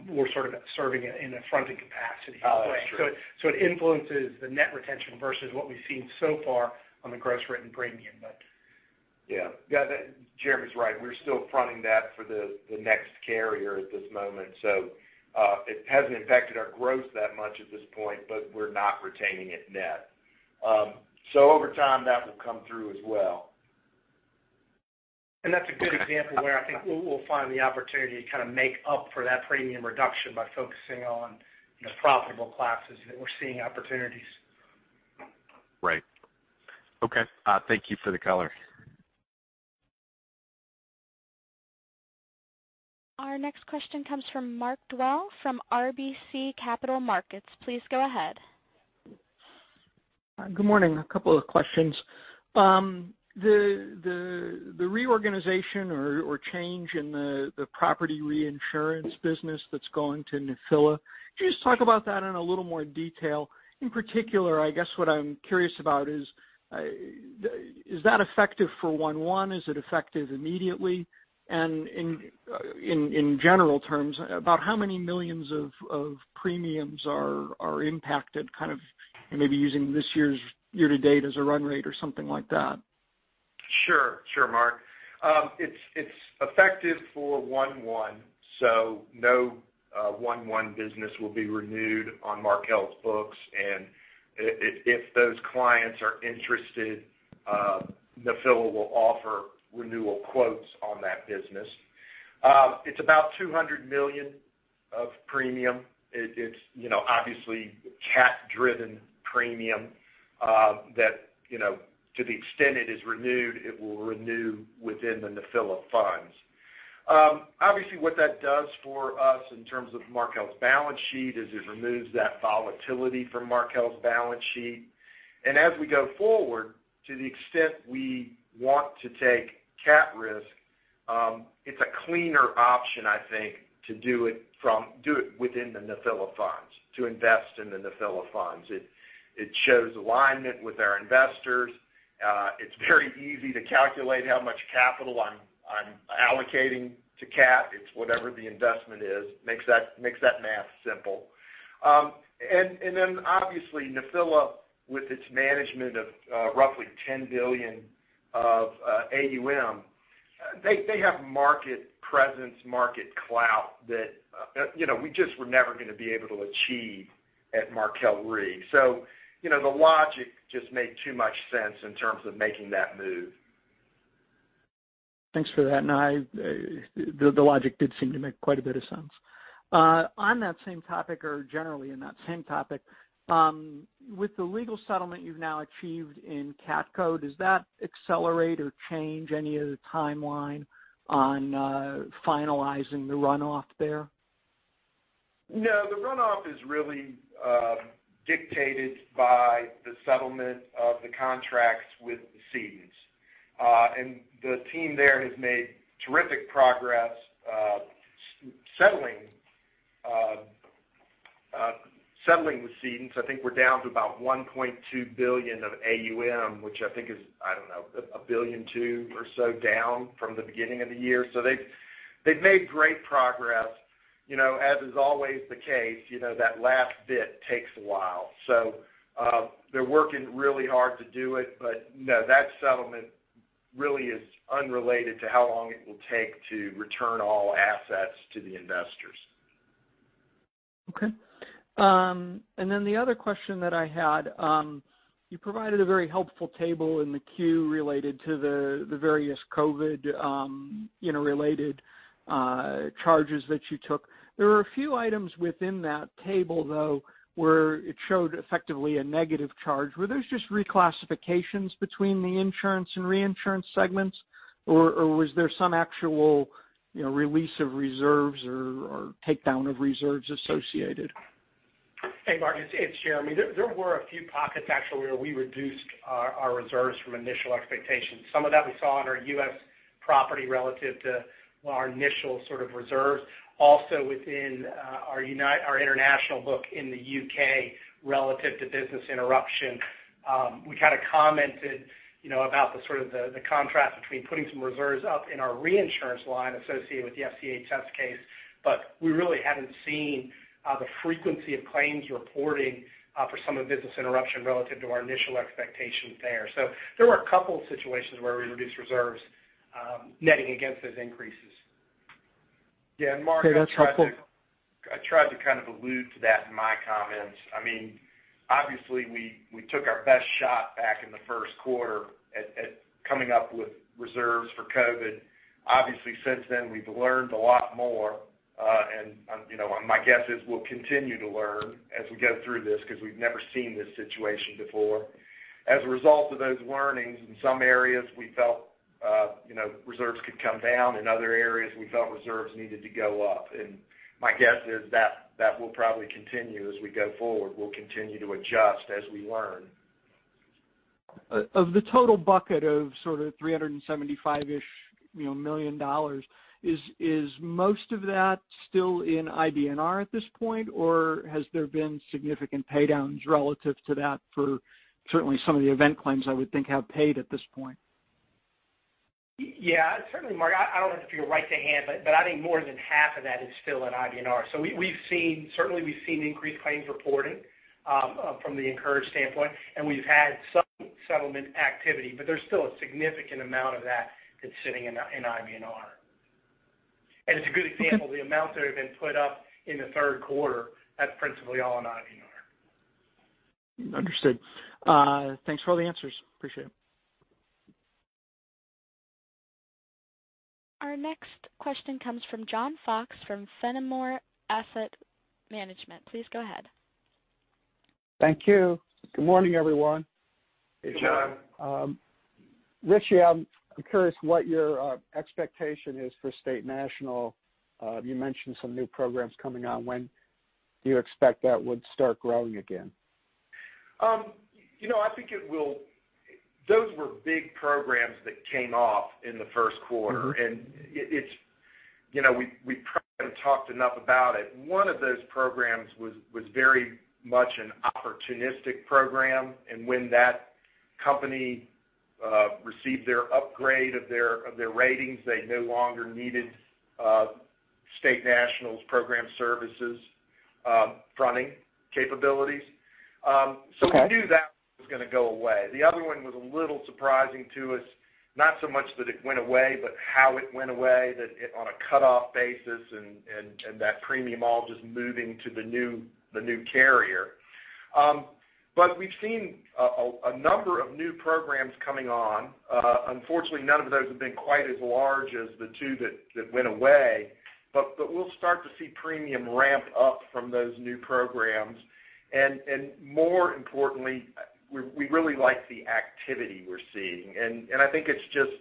we're sort of serving it in a fronting capacity. Oh, that's true. It influences the net retention versus what we've seen so far on the gross written premium. Yeah. Jeremy's right. We're still fronting that for the next carrier at this moment, so it hasn't impacted our growth that much at this point, but we're not retaining it net. Over time, that will come through as well. That's a good example where I think we'll find the opportunity to kind of make up for that premium reduction by focusing on profitable classes that we're seeing opportunities. Right. Okay. Thank you for the color. Our next question comes from Mark Dwelle from RBC Capital Markets. Please go ahead. Good morning. A couple of questions. The reorganization or change in the property reinsurance business that's going to Nephila, could you just talk about that in a little more detail? In particular, I guess what I'm curious about is that effective for 1/1? Is it effective immediately? In general terms, about how many millions of premiums are impacted, maybe using this year's year-to-date as a run rate or something like that? Sure, Mark. It's effective for 1/1, so no 1/1 business will be renewed on Markel's books, and if those clients are interested, Nephila will offer renewal quotes on that business. It's about $200 million of premium. It's obviously CAT-driven premium that to the extent it is renewed, it will renew within the Nephila funds. Obviously, what that does for us in terms of Markel's balance sheet is it removes that volatility from Markel's balance sheet. As we go forward, to the extent we want to take CAT risk, it's a cleaner option, I think, to do it within the Nephila funds, to invest in the Nephila funds. It shows alignment with our investors. It's very easy to calculate how much capital I'm allocating to CAT. It's whatever the investment is. Makes that math simple. Obviously, Nephila, with its management of roughly $10 billion of AUM, they have market presence, market clout that we just were never going to be able to achieve at Markel Re. The logic just made too much sense in terms of making that move. Thanks for that. No, the logic did seem to make quite a bit of sense. On that same topic or generally in that same topic, with the legal settlement you've now achieved in Catco, does that accelerate or change any of the timeline on finalizing the runoff there? The runoff is really dictated by the settlement of the contracts with the cedents. The team there has made terrific progress settling the cedents. I think we're down to about $1.2 billion of AUM, which I think is, I don't know, $1.2 billion or so down from the beginning of the year. They've made great progress. As is always the case, that last bit takes a while. They're working really hard to do it, no, that settlement really is unrelated to how long it will take to return all assets to the investors. Okay. The other question that I had, you provided a very helpful table in the Q related to the various COVID-related charges that you took. There were a few items within that table, though, where it showed effectively a negative charge. Were those just reclassifications between the insurance and reinsurance segments, or was there some actual release of reserves or takedown of reserves associated? Hey, Mark, it's Jeremy. There were a few pockets actually where we reduced our reserves from initial expectations. Some of that we saw in our U.S. property relative to our initial reserves. Also within our international book in the U.K. relative to business interruption. We kind of commented about the contrast between putting some reserves up in our reinsurance line associated with the FCA case. We really haven't seen the frequency of claims reporting for some of the business interruption relative to our initial expectations there. There were a couple situations where we reduced reserves netting against those increases. Yeah, Mark. Okay, that's helpful. I tried to kind of allude to that in my comments. Obviously, we took our best shot back in the first quarter at coming up with reserves for COVID. Obviously, since then, we've learned a lot more. My guess is we'll continue to learn as we go through this because we've never seen this situation before. As a result of those learnings, in some areas, we felt reserves could come down. In other areas, we felt reserves needed to go up. My guess is that will probably continue as we go forward. We'll continue to adjust as we learn. Of the total bucket of $375-ish million, is most of that still in IBNR at this point, or has there been significant paydowns relative to that for certainly some of the event claims I would think have paid at this point? Certainly, Mark, I don't have it right at hand, but I think more than half of that is still in IBNR. Certainly we've seen increased claims reporting from the incurred standpoint, and we've had some settlement activity, but there's still a significant amount of that that's sitting in IBNR. As a good example, the amounts that have been put up in the third quarter, that's principally all in IBNR. Understood. Thanks for all the answers. Appreciate it. Our next question comes from John Fox from Fenimore Asset Management. Please go ahead. Thank you. Good morning, everyone. Hey, John. Richie, I'm curious what your expectation is for State National. You mentioned some new programs coming on. When do you expect that would start growing again? I think those were big programs that came off in the first quarter. We probably haven't talked enough about it. One of those programs was very much an opportunistic program, and when that company received their upgrade of their ratings, they no longer needed State National's program services, fronting capabilities. Okay. We knew that was going to go away. The other one was a little surprising to us, not so much that it went away, but how it went away, that on a cutoff basis and that premium all just moving to the new carrier. We've seen a number of new programs coming on. Unfortunately, none of those have been quite as large as the two that went away. We'll start to see premium ramp up from those new programs. More importantly, we really like the activity we're seeing. I think it's just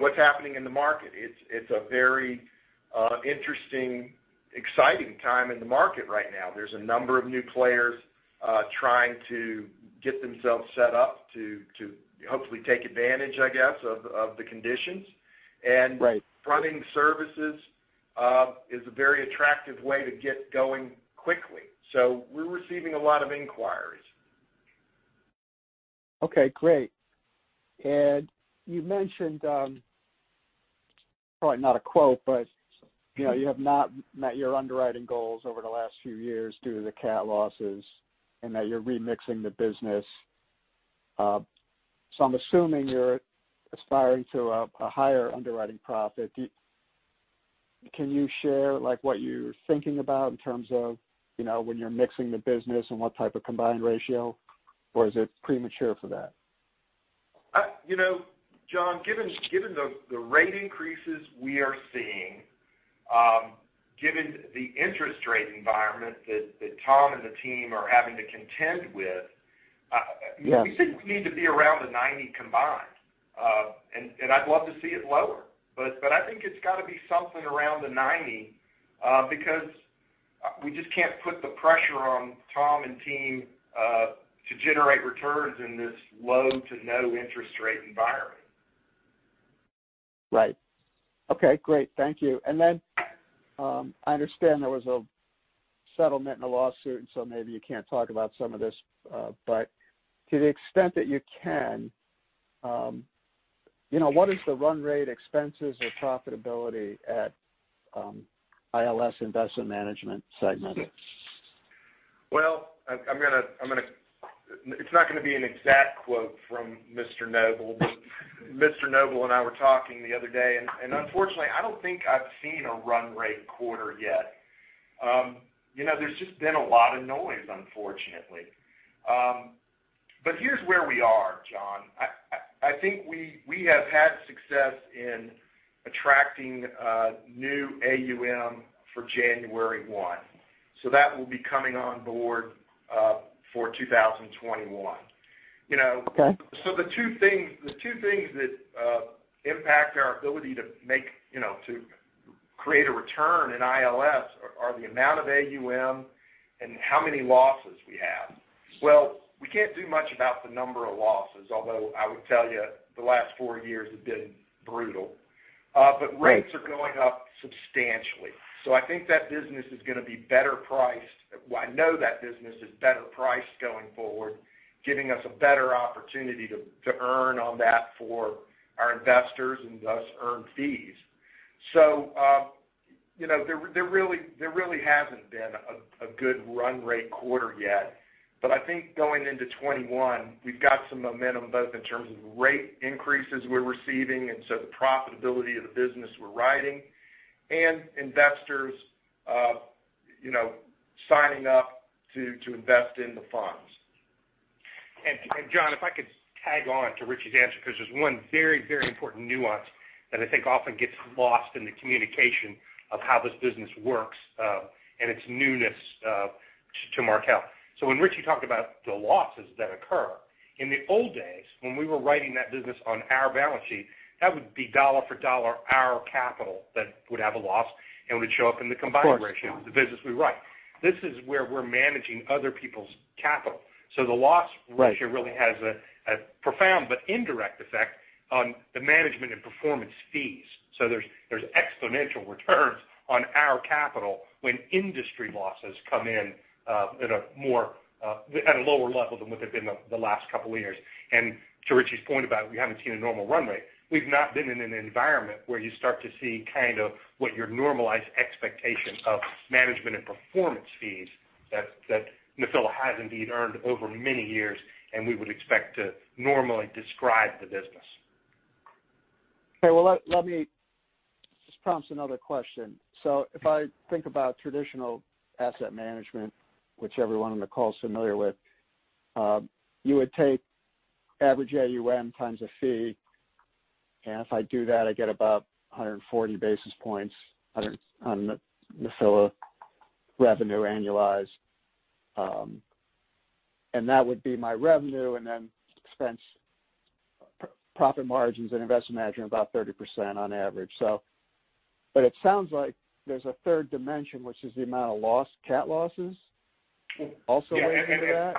what's happening in the market. It's a very interesting, exciting time in the market right now. There's a number of new players trying to get themselves set up to hopefully take advantage, I guess, of the conditions. Right. Fronting services is a very attractive way to get going quickly. We're receiving a lot of inquiries. Okay, great. You mentioned, probably not a quote, but you have not met your underwriting goals over the last few years due to the CAT losses and that you're remixing the business. I'm assuming you're aspiring to a higher underwriting profit. Can you share what you're thinking about in terms of when you're mixing the business and what type of combined ratio, or is it premature for that? John, given the rate increases we are seeing, given the interest rate environment that Tom and the team are having to contend with. Yes We think we need to be around a 90 combined. I'd love to see it lower, but I think it's got to be something around the 90, because we just can't put the pressure on Tom and team to generate returns in this low to no interest rate environment. Right. Okay, great. Thank you. I understand there was a settlement in a lawsuit. Maybe you can't talk about some of this. To the extent that you can, what is the run rate expenses or profitability at ILS Investment Management segment? It's not going to be an exact quote from Mr. Noble. Mr. Noble and I were talking the other day, and unfortunately, I don't think I've seen a run rate quarter yet. There's just been a lot of noise, unfortunately. Here's where we are, John. I think we have had success in attracting new AUM for January 1. That will be coming on board for 2021. Okay. The two things that impact our ability to create a return in ILS are the amount of AUM and how many losses we have. We can't do much about the number of losses, although I would tell you the last four years have been brutal. Right. Rates are going up substantially. I think that business is going to be better priced. Well, I know that business is better priced going forward, giving us a better opportunity to earn on that for our investors and thus earn fees. There really hasn't been a good run rate quarter yet. I think going into 2021, we've got some momentum, both in terms of rate increases we're receiving, and so the profitability of the business we're writing, and investors signing up to invest in the funds. John, if I could tag on to Richie's answer, because there's one very important nuance that I think often gets lost in the communication of how this business works, and its newness to Markel. When Richie talked about the losses that occur, in the old days, when we were writing that business on our balance sheet, that would be dollar for dollar our capital that would have a loss and would show up in the combined- ratio of the business we write. This is where we're managing other people's capital. Right really has a profound but indirect effect on the management and performance fees. There's exponential returns on our capital when industry losses come in at a lower level than what they've been the last couple of years. To Richie's point about we haven't seen a normal run rate, we've not been in an environment where you start to see kind of what your normalized expectation of management and performance fees that Nephila has indeed earned over many years, and we would expect to normally describe the business. Okay, well, let me just prompt another question. If I think about traditional asset management, which everyone on the call is familiar with, you would take average AUM times a fee. If I do that, I get about 140 basis points on the Nephila revenue annualized. That would be my revenue, and then expense profit margins and investment margin about 30% on average. It sounds like there's a third dimension, which is the amount of CAT losses also into that?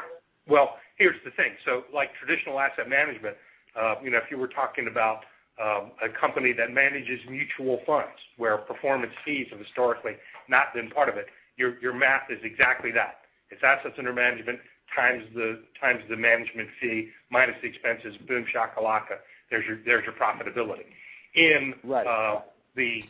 Well, here's the thing. Like traditional asset management, if you were talking about a company that manages mutual funds where performance fees have historically not been part of it, your math is exactly that. It's assets under management times the management fee minus the expenses, boom shakalaka, there's your profitability. In the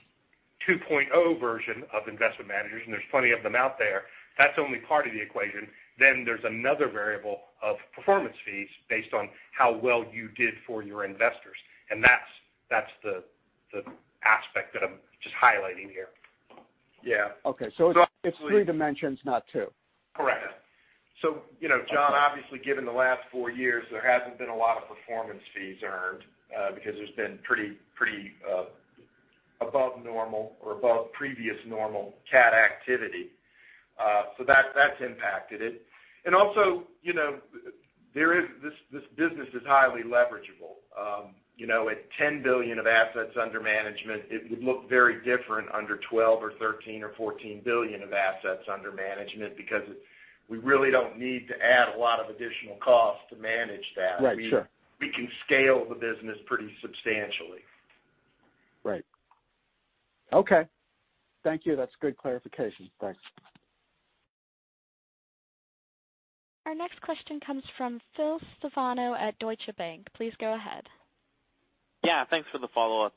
2.0 version of investment managers, and there's plenty of them out there, that's only part of the equation. There's another variable of performance fees based on how well you did for your investors, and that's the aspect that I'm just highlighting here. Yeah. Okay. It's three dimensions, not two. Correct. John, obviously given the last four years, there hasn't been a lot of performance fees earned, because there's been pretty above normal or above previous normal CAT activity. That's impacted it. This business is highly leverageable. At $10 billion of assets under management, it would look very different under $12 or $13 or $14 billion of assets under management, because we really don't need to add a lot of additional cost to manage that. Right. Sure. We can scale the business pretty substantially. Right. Okay. Thank you. That's good clarification. Thanks. Our next question comes from Phil Stefano at Deutsche Bank. Please go ahead. Yeah, thanks for the follow-up.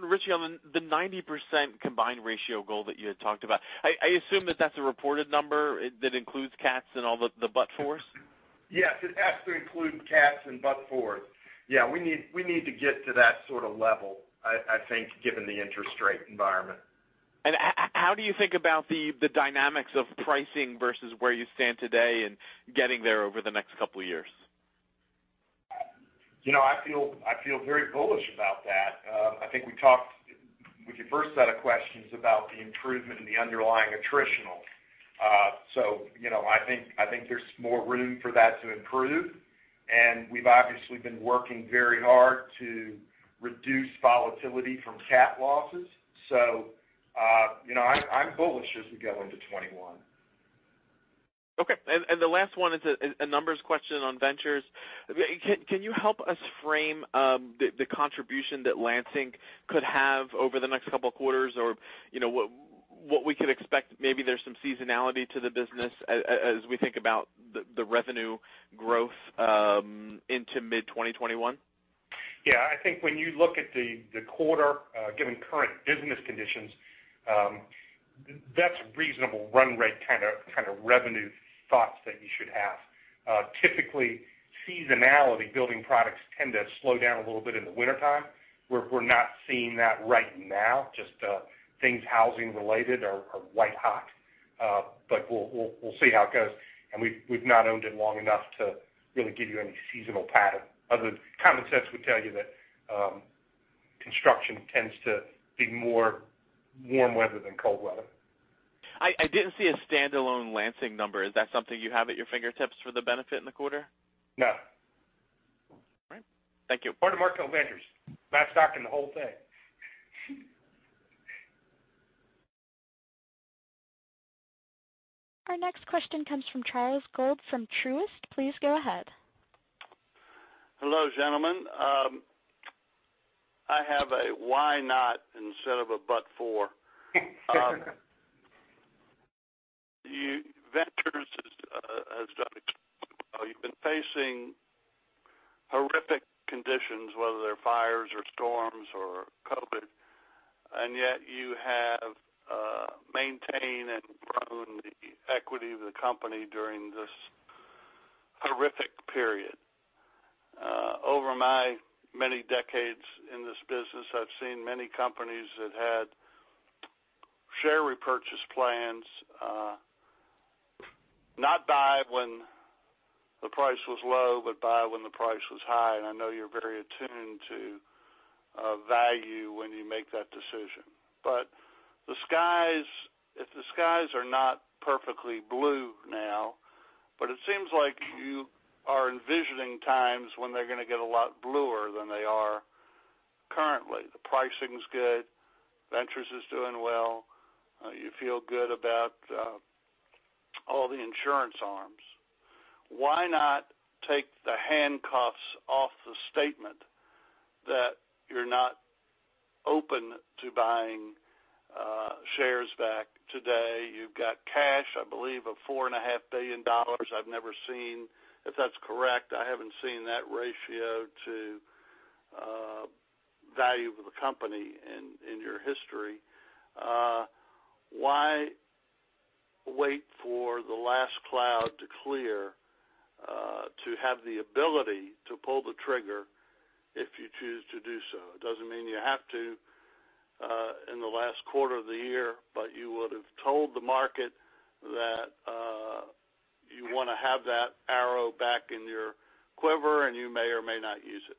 Richie, on the 90% combined ratio goal that you had talked about, I assume that that's a reported number that includes CATs and all the but-fors. Yes, it has to include CATs and but-fors. Yeah, we need to get to that sort of level, I think, given the interest rate environment. How do you think about the dynamics of pricing versus where you stand today and getting there over the next couple of years? I feel very bullish about that. I think we talked with your first set of questions about the improvement in the underlying attritional. I think there's more room for that to improve, and we've obviously been working very hard to reduce volatility from CAT losses. I'm bullish as we go into 2021. Okay. The last one is a numbers question on Markel Ventures. Can you help us frame the contribution that Lansing could have over the next couple of quarters or what we could expect? Maybe there's some seasonality to the business as we think about the revenue growth into mid 2021. I think when you look at the quarter, given current business conditions, that's reasonable run rate kind of revenue thoughts that you should have. Typically, seasonality building products tend to slow down a little bit in the wintertime. We're not seeing that right now, just things housing related are white hot. We'll see how it goes. We've not owned it long enough to really give you any seasonal pattern other than common sense would tell you that construction tends to be more warm weather than cold weather. I didn't see a standalone Lansing number. Is that something you have at your fingertips for the benefit in the quarter? No. All right. Thank you. Part of Markel Ventures. Back stocking the whole thing. Our next question comes from Charles Gold from Truist. Please go ahead. Hello, gentlemen. I have a why not instead of a but for. Ventures has done extremely well. You've been facing horrific conditions, whether they're fires or storms or COVID, and yet you have maintained and grown the equity of the company during this horrific period. Over my many decades in this business, I've seen many companies that had share repurchase plans, not buy when the price was low, but buy when the price was high, and I know you're very attuned to value when you make that decision. If the skies are not perfectly blue now, but it seems like you are envisioning times when they're going to get a lot bluer than they are currently. The pricing's good, Ventures is doing well. You feel good about all the insurance arms. Why not take the handcuffs off the statement that you're not open to buying shares back today? You've got cash, I believe, of $4.5 billion. If that's correct, I haven't seen that ratio to value of the company in your history. Why wait for the last cloud to clear to have the ability to pull the trigger if you choose to do so? It doesn't mean you have to in the last quarter of the year, but you would've told the market that. You want to have that arrow back in your quiver, and you may or may not use it.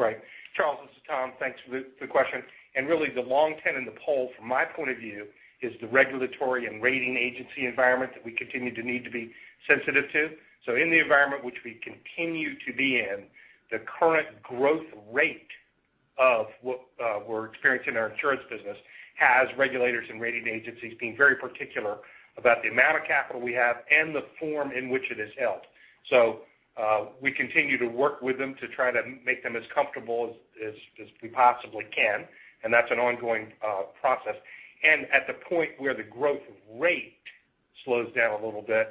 Right. Charles, this is Tom. Thanks for the question. Really the long pin in the pole from my point of view is the regulatory and rating agency environment that we continue to need to be sensitive to. In the environment which we continue to be in, the current growth rate of what we're experiencing in our insurance business has regulators and rating agencies being very particular about the amount of capital we have and the form in which it is held. We continue to work with them to try to make them as comfortable as we possibly can. That's an ongoing process. At the point where the growth rate slows down a little bit,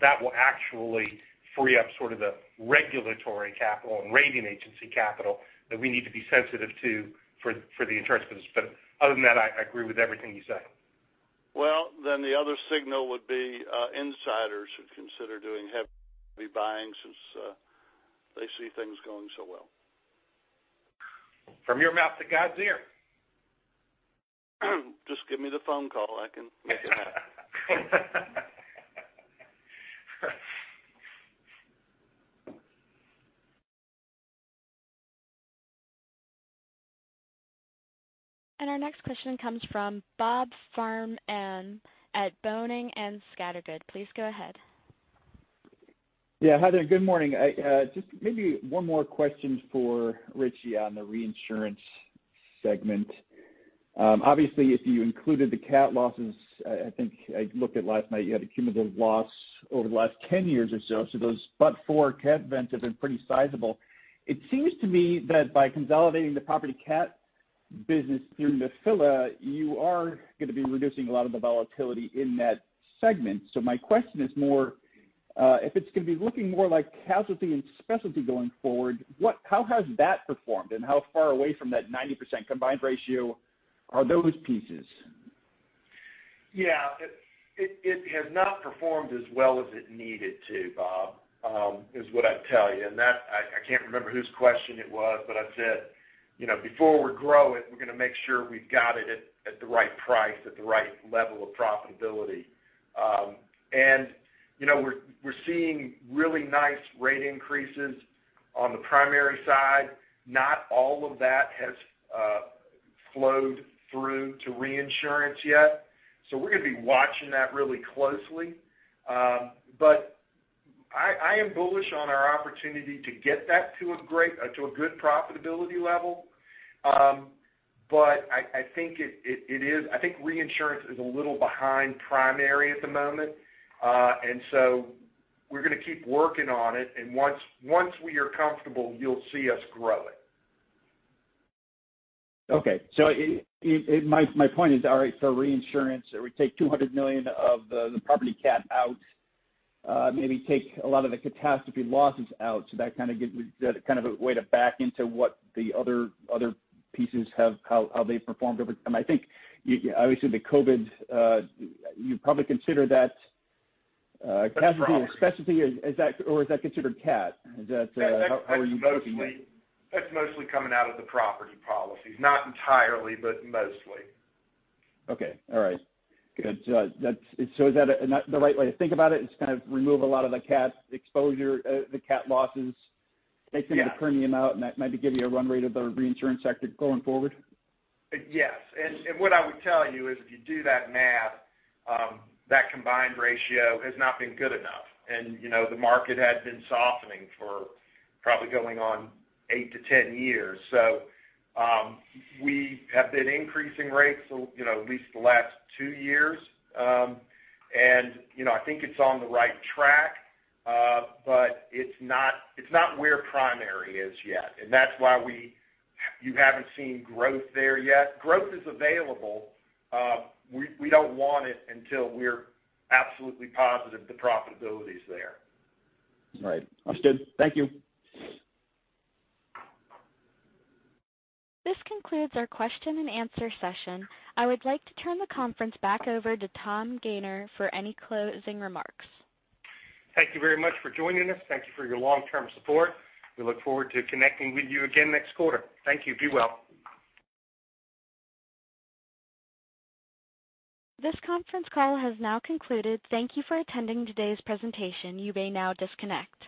that will actually free up sort of the regulatory capital and rating agency capital that we need to be sensitive to for the insurance business. Other than that, I agree with everything you said. The other signal would be insiders who consider doing heavy buying since they see things going so well. From your mouth to God's ear. Just give me the phone call. I can make it happen. Our next question comes from Bob. <audio distortion> Please go ahead. Yeah. Hi there. Good morning. Just maybe one more question for Richie on the reinsurance segment. Obviously, if you included the CAT losses, I think I looked at last night, you had a cumulative loss over the last 10 years or so. Those but-for CAT events have been pretty sizable. It seems to me that by consolidating the property CAT business through Nephila, you are going to be reducing a lot of the volatility in that segment. My question is more, if it's going to be looking more like casualty and specialty going forward, how has that performed and how far away from that 90% combined ratio are those pieces? Yeah. It has not performed as well as it needed to, Bob, is what I'd tell you. That, I can't remember whose question it was, but I said, before we grow it, we're going to make sure we've got it at the right price, at the right level of profitability. We're seeing really nice rate increases on the primary side. Not all of that has flowed through to reinsurance yet. We're going to be watching that really closely. I am bullish on our opportunity to get that to a good profitability level. I think reinsurance is a little behind primary at the moment. We're going to keep working on it, and once we are comfortable, you'll see us grow it. Okay. My point is, all right, reinsurance, we take $200 million of the property CAT out, maybe take a lot of the catastrophe losses out. That kind of a way to back into what the other pieces, how they've performed over time. I think, obviously the COVID, you probably consider that. That's property. casualty and specialty, or is that considered CAT? How are you looking at it? That's mostly coming out of the property policies. Not entirely, but mostly. Okay. All right. Good. Is that the right way to think about it, is kind of remove a lot of the CAT exposure, the CAT losses- take some of the premium out, That might give you a run rate of the reinsurance sector going forward? Yes. What I would tell you is if you do that math, that combined ratio has not been good enough. The market had been softening for probably going on eight to 10 years. We have been increasing rates at least the last two years. I think it's on the right track, but it's not where primary is yet. That's why you haven't seen growth there yet. Growth is available. We don't want it until we're absolutely positive the profitability's there. Right. Understood. Thank you. This concludes our question and answer session. I would like to turn the conference back over to Tom Gayner for any closing remarks. Thank you very much for joining us. Thank you for your long-term support. We look forward to connecting with you again next quarter. Thank you. Be well. This conference call has now concluded. Thank you for attending today's presentation. You may now disconnect.